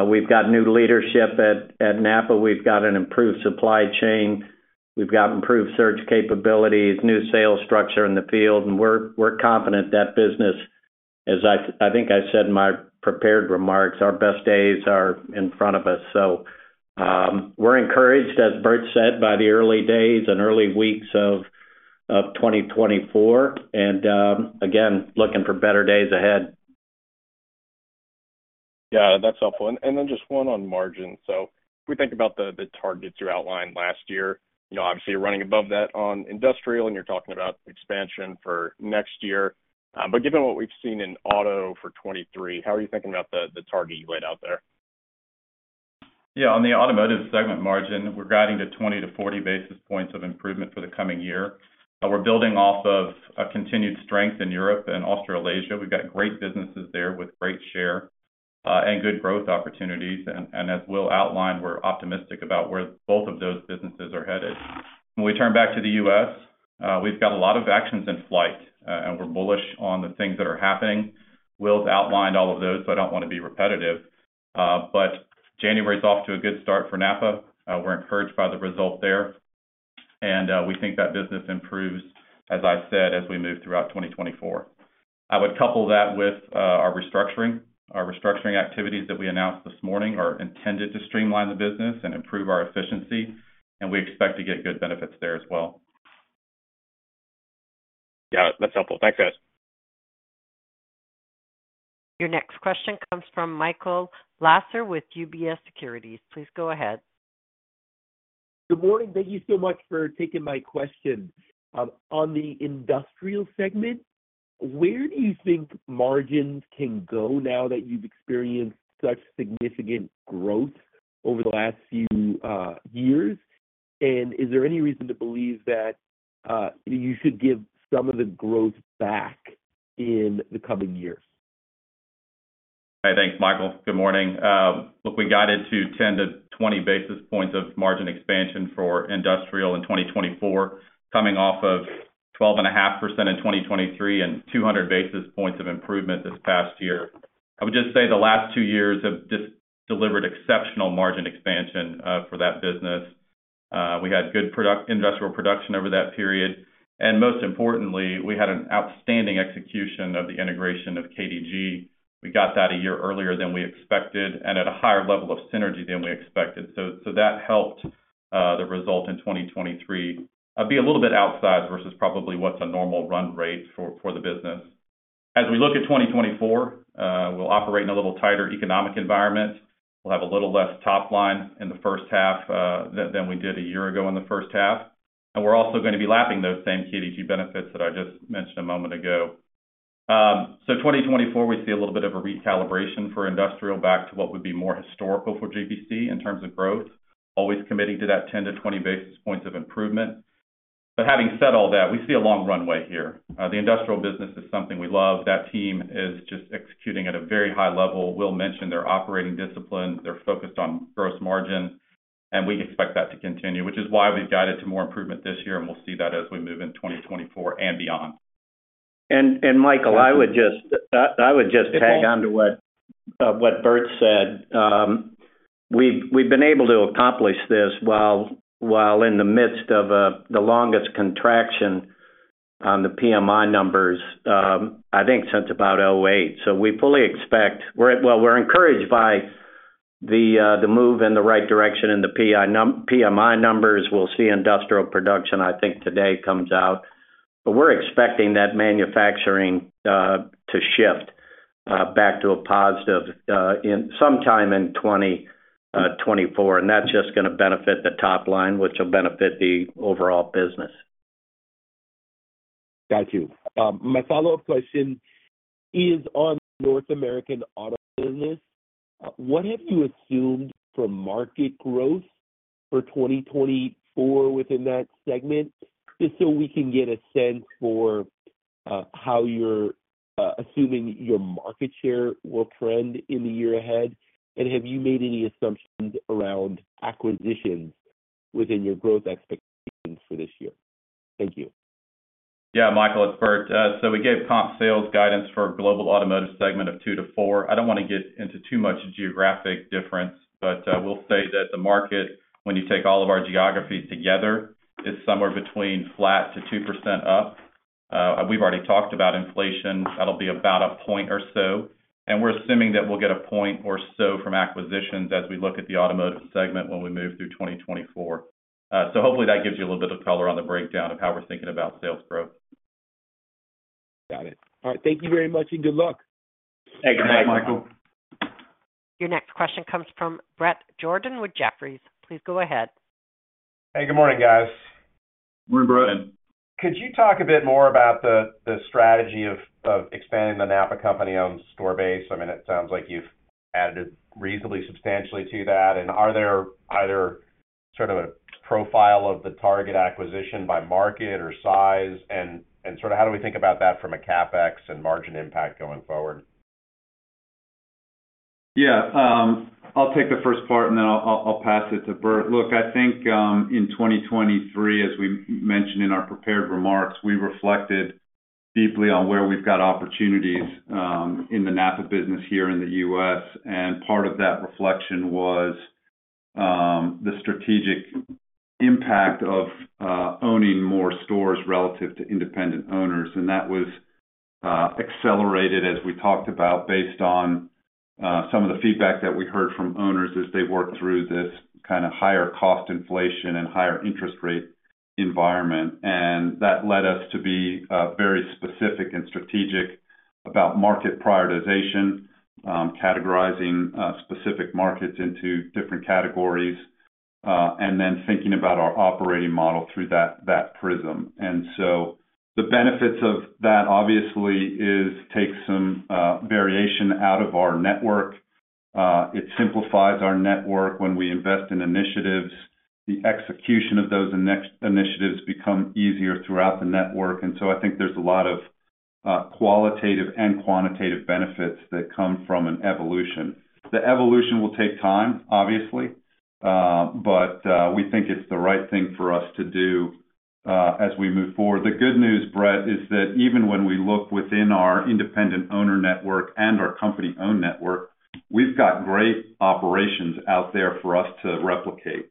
We've got new leadership at NAPA. We've got an improved supply chain. We've got improved search capabilities, new sales structure in the field, and we're confident that business, as I think I said in my prepared remarks, our best days are in front of us. So, we're encouraged, as Bert said, by the early days and early weeks of 2024, and again, looking for better days ahead. Yeah, that's helpful. And then just one on margin. So if we think about the targets you outlined last year, you know, obviously, you're running above that on industrial, and you're talking about expansion for next year. But given what we've seen in auto for 2023, how are you thinking about the target you laid out there? Yeah, on the automotive segment margin, we're guiding to 20-40 basis points of improvement for the coming year. We're building off of a continued strength in Europe and Australasia. We've got great businesses there with great share and good growth opportunities. As Will outlined, we're optimistic about where both of those businesses are headed. When we turn back to the U.S., we've got a lot of actions in flight and we're bullish on the things that are happening. Will's outlined all of those, so I don't want to be repetitive. But January is off to a good start for NAPA. We're encouraged by the result there. And we think that business improves, as I said, as we move throughout 2024. I would couple that with our restructuring. Our restructuring activities that we announced this morning are intended to streamline the business and improve our efficiency, and we expect to get good benefits there as well. Yeah, that's helpful. Thanks, guys. Your next question comes from Michael Lasser with UBS Securities. Please go ahead. Good morning. Thank you so much for taking my question. On the industrial segment, where do you think margins can go now that you've experienced such significant growth over the last few years? And is there any reason to believe that you should give some of the growth back in the coming years? Hey, thanks, Michael. Good morning. Look, we got into 10-20 basis points of margin expansion for industrial in 2024, coming off of 12.5% in 2023 and 200 basis points of improvement this past year. I would just say the last two years have just delivered exceptional margin expansion for that business. We had good industrial production over that period, and most importantly, we had an outstanding execution of the integration of KDG. We got that a year earlier than we expected and at a higher level of synergy than we expected. So, so that helped the result in 2023 be a little bit outsized versus probably what's a normal run rate for the business. As we look at 2024, we'll operate in a little tighter economic environment. We'll have a little less top line in the H1, than, than we did a year ago in the H1, and we're also going to be lapping those same KDG benefits that I just mentioned a moment ago. So 2024, we see a little bit of a recalibration for industrial back to what would be more historical for GPC in terms of growth, always committing to that 10-20 basis points of improvement. But having said all that, we see a long runway here. The industrial business is something we love. That team is just executing at a very high level. Will mentioned their operating discipline, they're focused on gross margin, and we expect that to continue, which is why we've guided to more improvement this year, and we'll see that as we move in 2024 and beyond. Michael, I would just tag on to what Bert said. We've been able to accomplish this while in the midst of the longest contraction on the PMI numbers, I think since about 2008. So we fully expect... Well, we're encouraged by the move in the right direction in the PMI numbers. We'll see industrial production, I think today comes out. But we're expecting that manufacturing to shift back to a positive in sometime in 2024, and that's just gonna benefit the top line, which will benefit the overall business. Got you. My follow-up question is on North American auto business. What have you assumed for market growth for 2024 within that segment? Just so we can get a sense for how you're assuming your market share will trend in the year ahead. And have you made any assumptions around acquisitions within your growth expectations for this year? Thank you. Yeah, Michael, it's Bert. So we gave comp sales guidance for global automotive segment of 2-4. I don't wanna get into too much geographic difference, but, we'll say that the market, when you take all of our geographies together, is somewhere between flat to 2% up. We've already talked about inflation. That'll be about a point or so, and we're assuming that we'll get a point or so from acquisitions as we look at the automotive segment when we move through 2024. So hopefully that gives you a little bit of color on the breakdown of how we're thinking about sales growth. Got it. All right. Thank you very much, and good luck. Thank you, Michael. Your next question comes from Bret Jordan with Jefferies. Please go ahead. Hey, good morning, guys. Morning, Bret. Could you talk a bit more about the strategy of expanding the NAPA company-owned store base? I mean, it sounds like you've added reasonably substantially to that. And are there either sort of a profile of the target acquisition by market or size? And sort of how do we think about that from a CapEx and margin impact going forward? Yeah, I'll take the first part, and then I'll pass it to Bert. Look, I think, in 2023, as we mentioned in our prepared remarks, we reflected deeply on where we've got opportunities, in the NAPA business here in the U.S. And part of that reflection was, the strategic impact of owning more stores relative to independent owners, and that was accelerated, as we talked about, based on some of the feedback that we heard from owners as they worked through this kind of higher cost inflation and higher interest rate environment. And that led us to be very specific and strategic about market prioritization, categorizing specific markets into different categories, and then thinking about our operating model through that prism. So the benefits of that, obviously, is take some variation out of our network. It simplifies our network when we invest in initiatives. The execution of those initiatives become easier throughout the network, and so I think there's a lot of qualitative and quantitative benefits that come from an evolution. The evolution will take time, obviously, but we think it's the right thing for us to do as we move forward. The good news, Bret, is that even when we look within our independent owner network and our company-owned network, we've got great operations out there for us to replicate.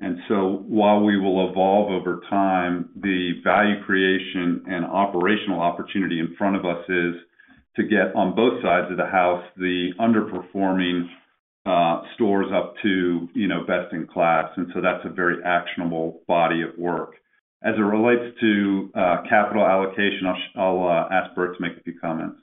And so while we will evolve over time, the value creation and operational opportunity in front of us is to get on both sides of the house, the underperforming stores up to, you know, best-in-class. So that's a very actionable body of work. As it relates to capital allocation, I'll ask Bert to make a few comments.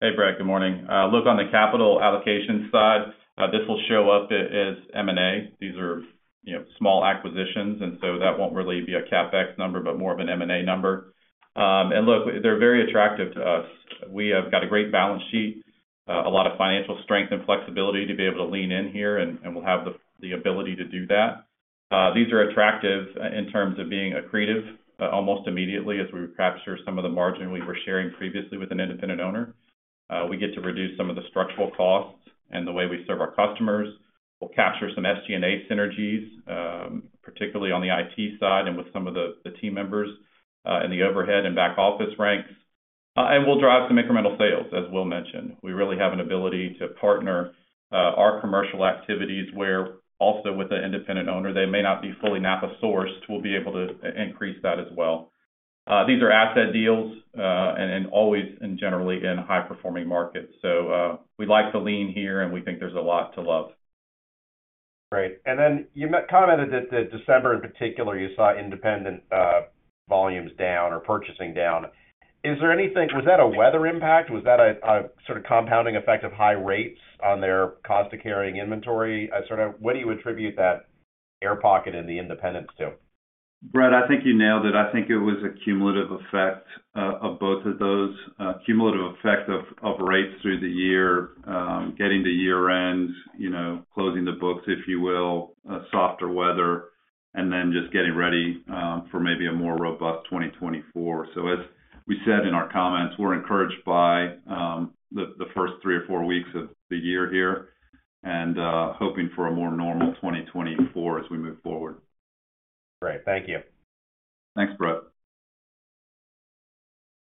Hey, Bret, good morning. Look, on the capital allocation side, this will show up as M&A. These are, you know, small acquisitions, and so that won't really be a CapEx number, but more of an M&A number. And look, they're very attractive to us. We have got a great balance sheet, a lot of financial strength and flexibility to be able to lean in here, and we'll have the ability to do that. These are attractive in terms of being accretive, almost immediately as we capture some of the margin we were sharing previously with an independent owner. We get to reduce some of the structural costs and the way we serve our customers. We'll capture some SG&A synergies, particularly on the IT side and with some of the team members in the overhead and back office ranks. And we'll drive some incremental sales, as Will mentioned. We really have an ability to partner our commercial activities, where also with an independent owner, they may not be fully NAPA sourced. We'll be able to increase that as well. These are asset deals, and always and generally in high-performing markets. So, we like to lean here, and we think there's a lot to love. Great. And then you mentioned that, that December, in particular, you saw independent volumes down or purchasing down. Is there anything? Was that a weather impact? Was that a sort of compounding effect of high rates on their cost to carrying inventory? Sort of what do you attribute that air pocket in the independents to? Bret, I think you nailed it. I think it was a cumulative effect of both of those. Cumulative effect of rates through the year, getting to year-end, you know, closing the books, if you will, softer weather, and then just getting ready for maybe a more robust 2024. So as we said in our comments, we're encouraged by the first three or four weeks of the year here and hoping for a more normal 2024 as we move forward. Great. Thank you. Thanks, Bret.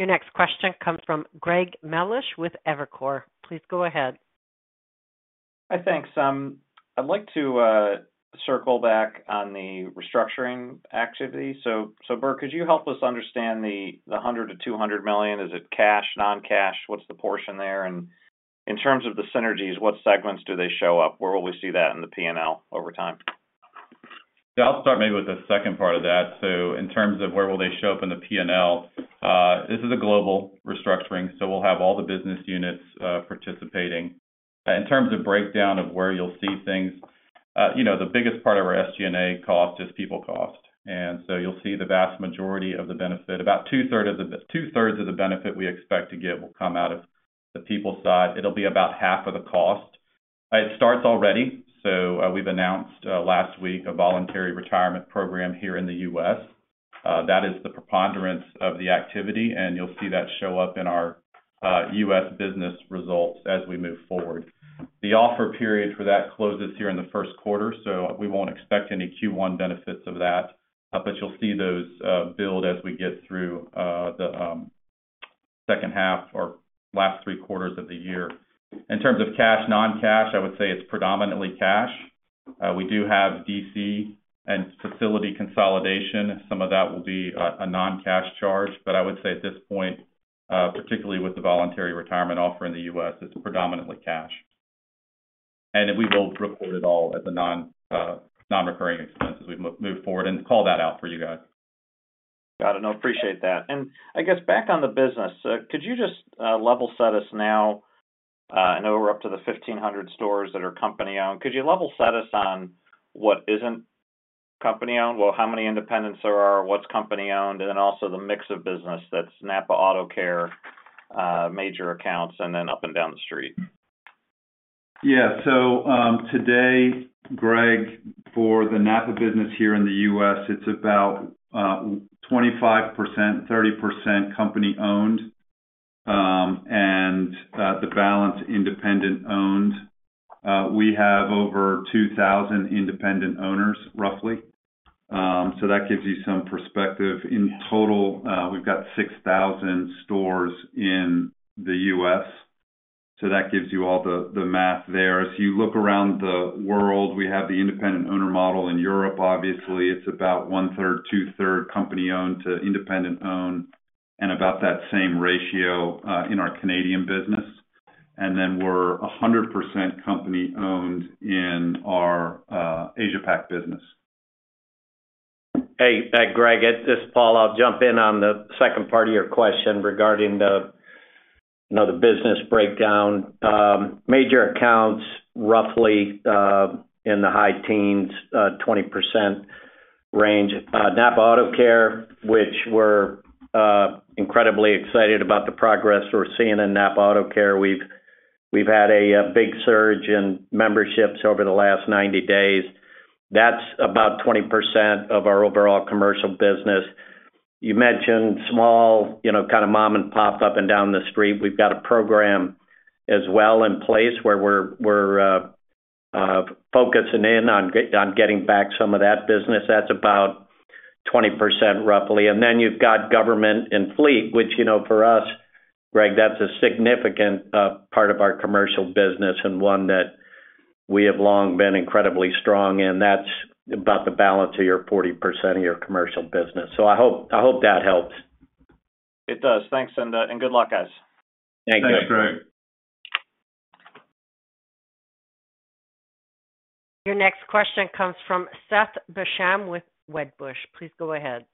Your next question comes from Greg Melich with Evercore. Please go ahead. Hi, thanks. I'd like to circle back on the restructuring activity. So, Bert, could you help us understand the $100 million-$200 million? Is it cash, non-cash? What's the portion there? And in terms of the synergies, what segments do they show up? Where will we see that in the P&L over time? Yeah, I'll start maybe with the second part of that. So in terms of where will they show up in the P&L, this is a global restructuring, so we'll have all the business units participating. In terms of breakdown of where you'll see things, you know, the biggest part of our SG&A cost is people cost, and so you'll see the vast majority of the benefit. About two-thirds of the benefit we expect to get will come out of the people side. It'll be about half of the cost. It starts already, so we've announced last week a voluntary retirement program here in the U.S. That is the preponderance of the activity, and you'll see that show up in our U.S. business results as we move forward. The offer period for that closes here in the Q1, so we won't expect any Q1 benefits of that, but you'll see those build as we get through the H2 or last three quarters of the year. In terms of cash, non-cash, I would say it's predominantly cash. We do have D.C. and facility consolidation. Some of that will be a non-cash charge, but I would say at this point, particularly with the voluntary retirement offer in the U.S., it's predominantly cash. We will report it all as a non-recurring expense as we move forward and call that out for you guys. Got it. No, appreciate that. And I guess back on the business, could you just level set us now? I know we're up to the 1,500 stores that are company-owned. Could you level set us on what isn't company-owned? Well, how many independents there are, what's company-owned, and then also the mix of business that's NAPA AutoCare, major accounts, and then up and down the street. Yeah. So, today, Greg, for the NAPA business here in the U.S., it's about 25%-30% company-owned, and the balance independent-owned. We have over 2,000 independent owners, roughly. So that gives you some perspective. In total, we've got 6,000 stores in the U.S., so that gives you all the math there. As you look around the world, we have the independent owner model in Europe. Obviously, it's about 1/3-2/3 company-owned to independent-owned, and about that same ratio in our Canadian business. And then we're 100% company-owned in our Asia Pac business. Hey, Greg, it's this is Paul. I'll jump in on the second part of your question regarding the, you know, the business breakdown. Major accounts, roughly, in the high teens, 20% range. NAPA AutoCare, which we're incredibly excited about the progress we're seeing in NAPA AutoCare. We've had a big surge in memberships over the last 90 days. That's about 20% of our overall commercial business. You mentioned small, you know, kind of mom and pop up and down the street. We've got a program as well in place where we're focusing in on getting back some of that business, that's about 20%, roughly. Then you've got government and fleet, which, you know, for us, Greg, that's a significant part of our commercial business and one that we have long been incredibly strong in. That's about the balance of your 40% of your commercial business. So I hope, I hope that helps. It does. Thanks, and, and good luck, guys. Thank you. Thanks, Greg. Your next question comes from Seth Basham with Wedbush. Please go ahead.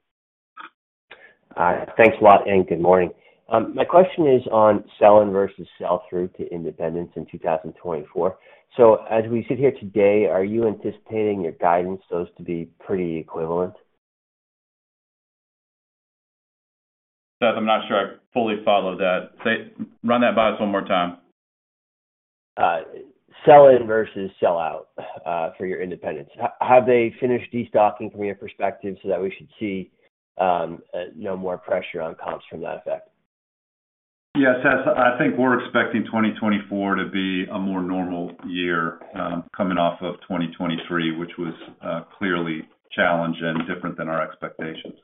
Thanks a lot, and good morning. My question is on sell-in versus sell-through to independents in 2024. So as we sit here today, are you anticipating your guidance those to be pretty equivalent? Seth, I'm not sure I fully follow that. Say-- run that by us one more time. Sell-in versus sell-out for your independents. Have they finished destocking from your perspective so that we should see no more pressure on comps from that effect? Yes, Seth, I think we're expecting 2024 to be a more normal year, coming off of 2023, which was clearly challenged and different than our expectations.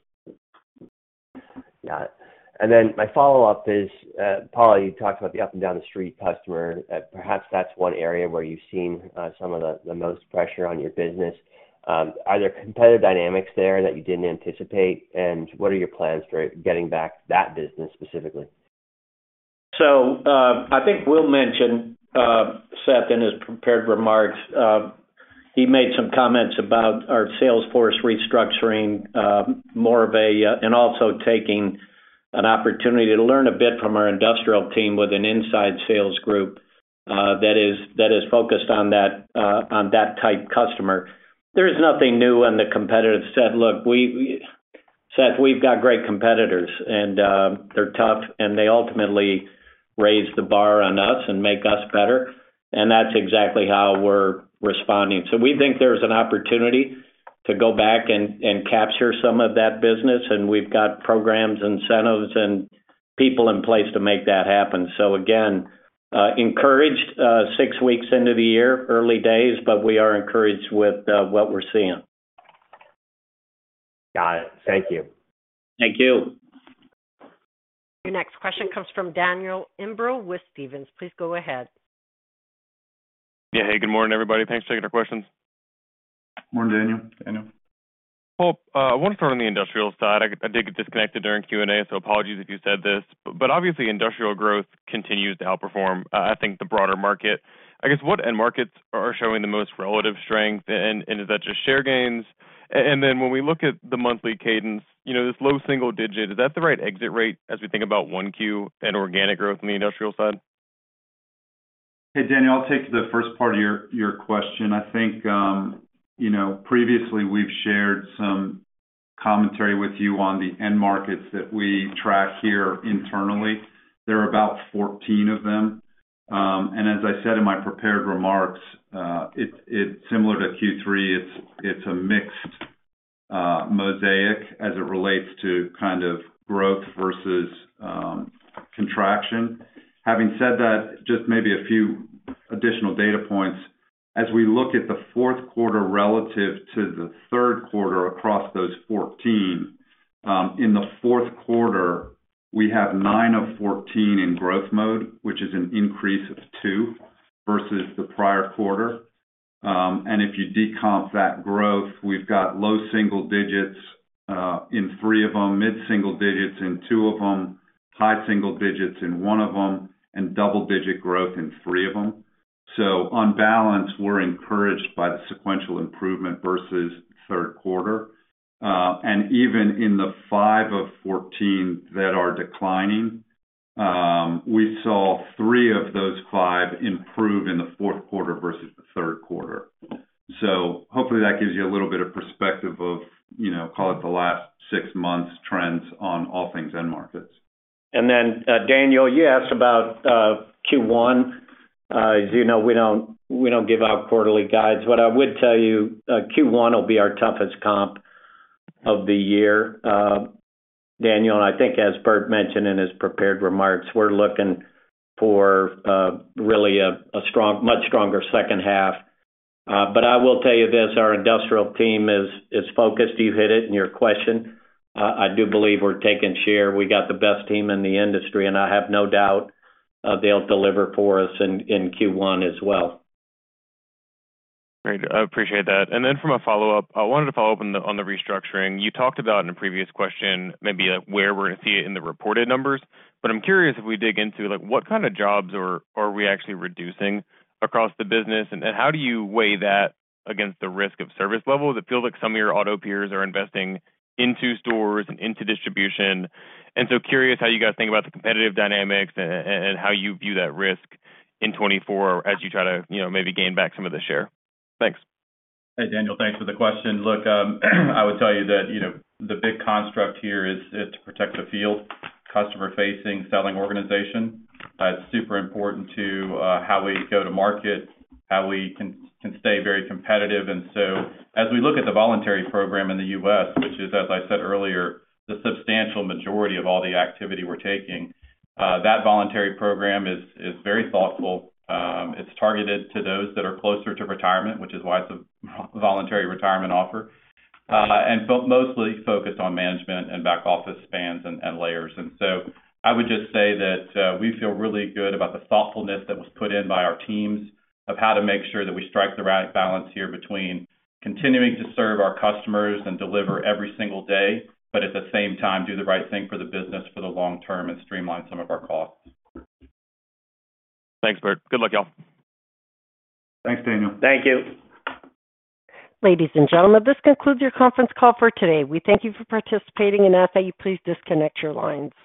Got it. And then my follow-up is, Paul, you talked about the up and down the street customer. Perhaps that's one area where you've seen some of the most pressure on your business. Are there competitive dynamics there that you didn't anticipate? And what are your plans for getting back that business specifically? So, I think Will mentioned, Seth, in his prepared remarks, he made some comments about our sales force restructuring, more of a and also taking an opportunity to learn a bit from our industrial team with an inside sales group, that is focused on that type customer. There's nothing new on the competitive set. Look, we, Seth, we've got great competitors, and they're tough, and they ultimately raise the bar on us and make us better, and that's exactly how we're responding. So we think there's an opportunity to go back and capture some of that business, and we've got programs, incentives, and people in place to make that happen. So again, encouraged, six weeks into the year, early days, but we are encouraged with what we're seeing. Got it. Thank you. Thank you. Your next question comes from Daniel Imbro with Stephens. Please go ahead. Yeah. Hey, good morning, everybody. Thanks for taking the questions. Morning, Daniel. Daniel. Well, I want to start on the industrial side. I did get disconnected during Q&A, so apologies if you said this, but obviously, industrial growth continues to outperform, I think, the broader market. I guess, what end markets are showing the most relative strength, and, and is that just share gains? And then when we look at the monthly cadence, you know, this low single digit, is that the right exit rate as we think about 1Q and organic growth on the industrial side? Hey, Daniel, I'll take the first part of your, your question. I think, you know, previously we've shared some commentary with you on the end markets that we track here internally. There are about 14 of them. As I said in my prepared remarks, it's a mixed mosaic as it relates to kind of growth versus contraction. Having said that, just maybe a few additional data points. As we look at the Q4 relative to the Q3 across those 14, in the Q4, we have 9 of 14 in growth mode, which is an increase of two versus the prior quarter. And if you decomp that growth, we've got low single digits in three of them, mid single digits in two of them, high single digits in one of them, and double-digit growth in three of them. So on balance, we're encouraged by the sequential improvement versus Q3. And even in the 5 of 14 that are declining, we saw three of those five improve in the Q4 versus the Q3. So hopefully, that gives you a little bit of perspective of, you know, call it the last six months trends on all things end markets. And then, Daniel, you asked about Q1. As you know, we don't, we don't give out quarterly guides, but I would tell you, Q1 will be our toughest comp of the year, Daniel. And I think as Bert mentioned in his prepared remarks, we're looking for really a much stronger H2. But I will tell you this, our industrial team is focused. You hit it in your question. I do believe we're taking share. We got the best team in the industry, and I have no doubt, they'll deliver for us in Q1 as well. Great. I appreciate that. And then from a follow-up, I wanted to follow up on the restructuring. You talked about in a previous question, maybe, where we're going to see it in the reported numbers. But I'm curious if we dig into, like, what kind of jobs are we actually reducing across the business, and then how do you weigh that against the risk of service levels? It feels like some of your auto peers are investing into stores and into distribution. And so curious how you guys think about the competitive dynamics and how you view that risk in 2024 as you try to, you know, maybe gain back some of the share. Thanks. Hey, Daniel, thanks for the question. Look, I would tell you that, you know, the big construct here is to protect the field, customer-facing, selling organization. It's super important to how we go to market, how we can stay very competitive. And so, as we look at the voluntary program in the U.S., which is, as I said earlier, the substantial majority of all the activity we're taking, that voluntary program is very thoughtful. It's targeted to those that are closer to retirement, which is why it's a voluntary retirement offer, and mostly focused on management and back-office spans and layers. So I would just say that we feel really good about the thoughtfulness that was put in by our teams of how to make sure that we strike the right balance here between continuing to serve our customers and deliver every single day, but at the same time, do the right thing for the business for the long term and streamline some of our costs. Thanks, Bert. Good luck, y'all. Thanks, Daniel. Thank you. Ladies and gentlemen, this concludes your conference call for today. We thank you for participating and ask that you please disconnect your lines.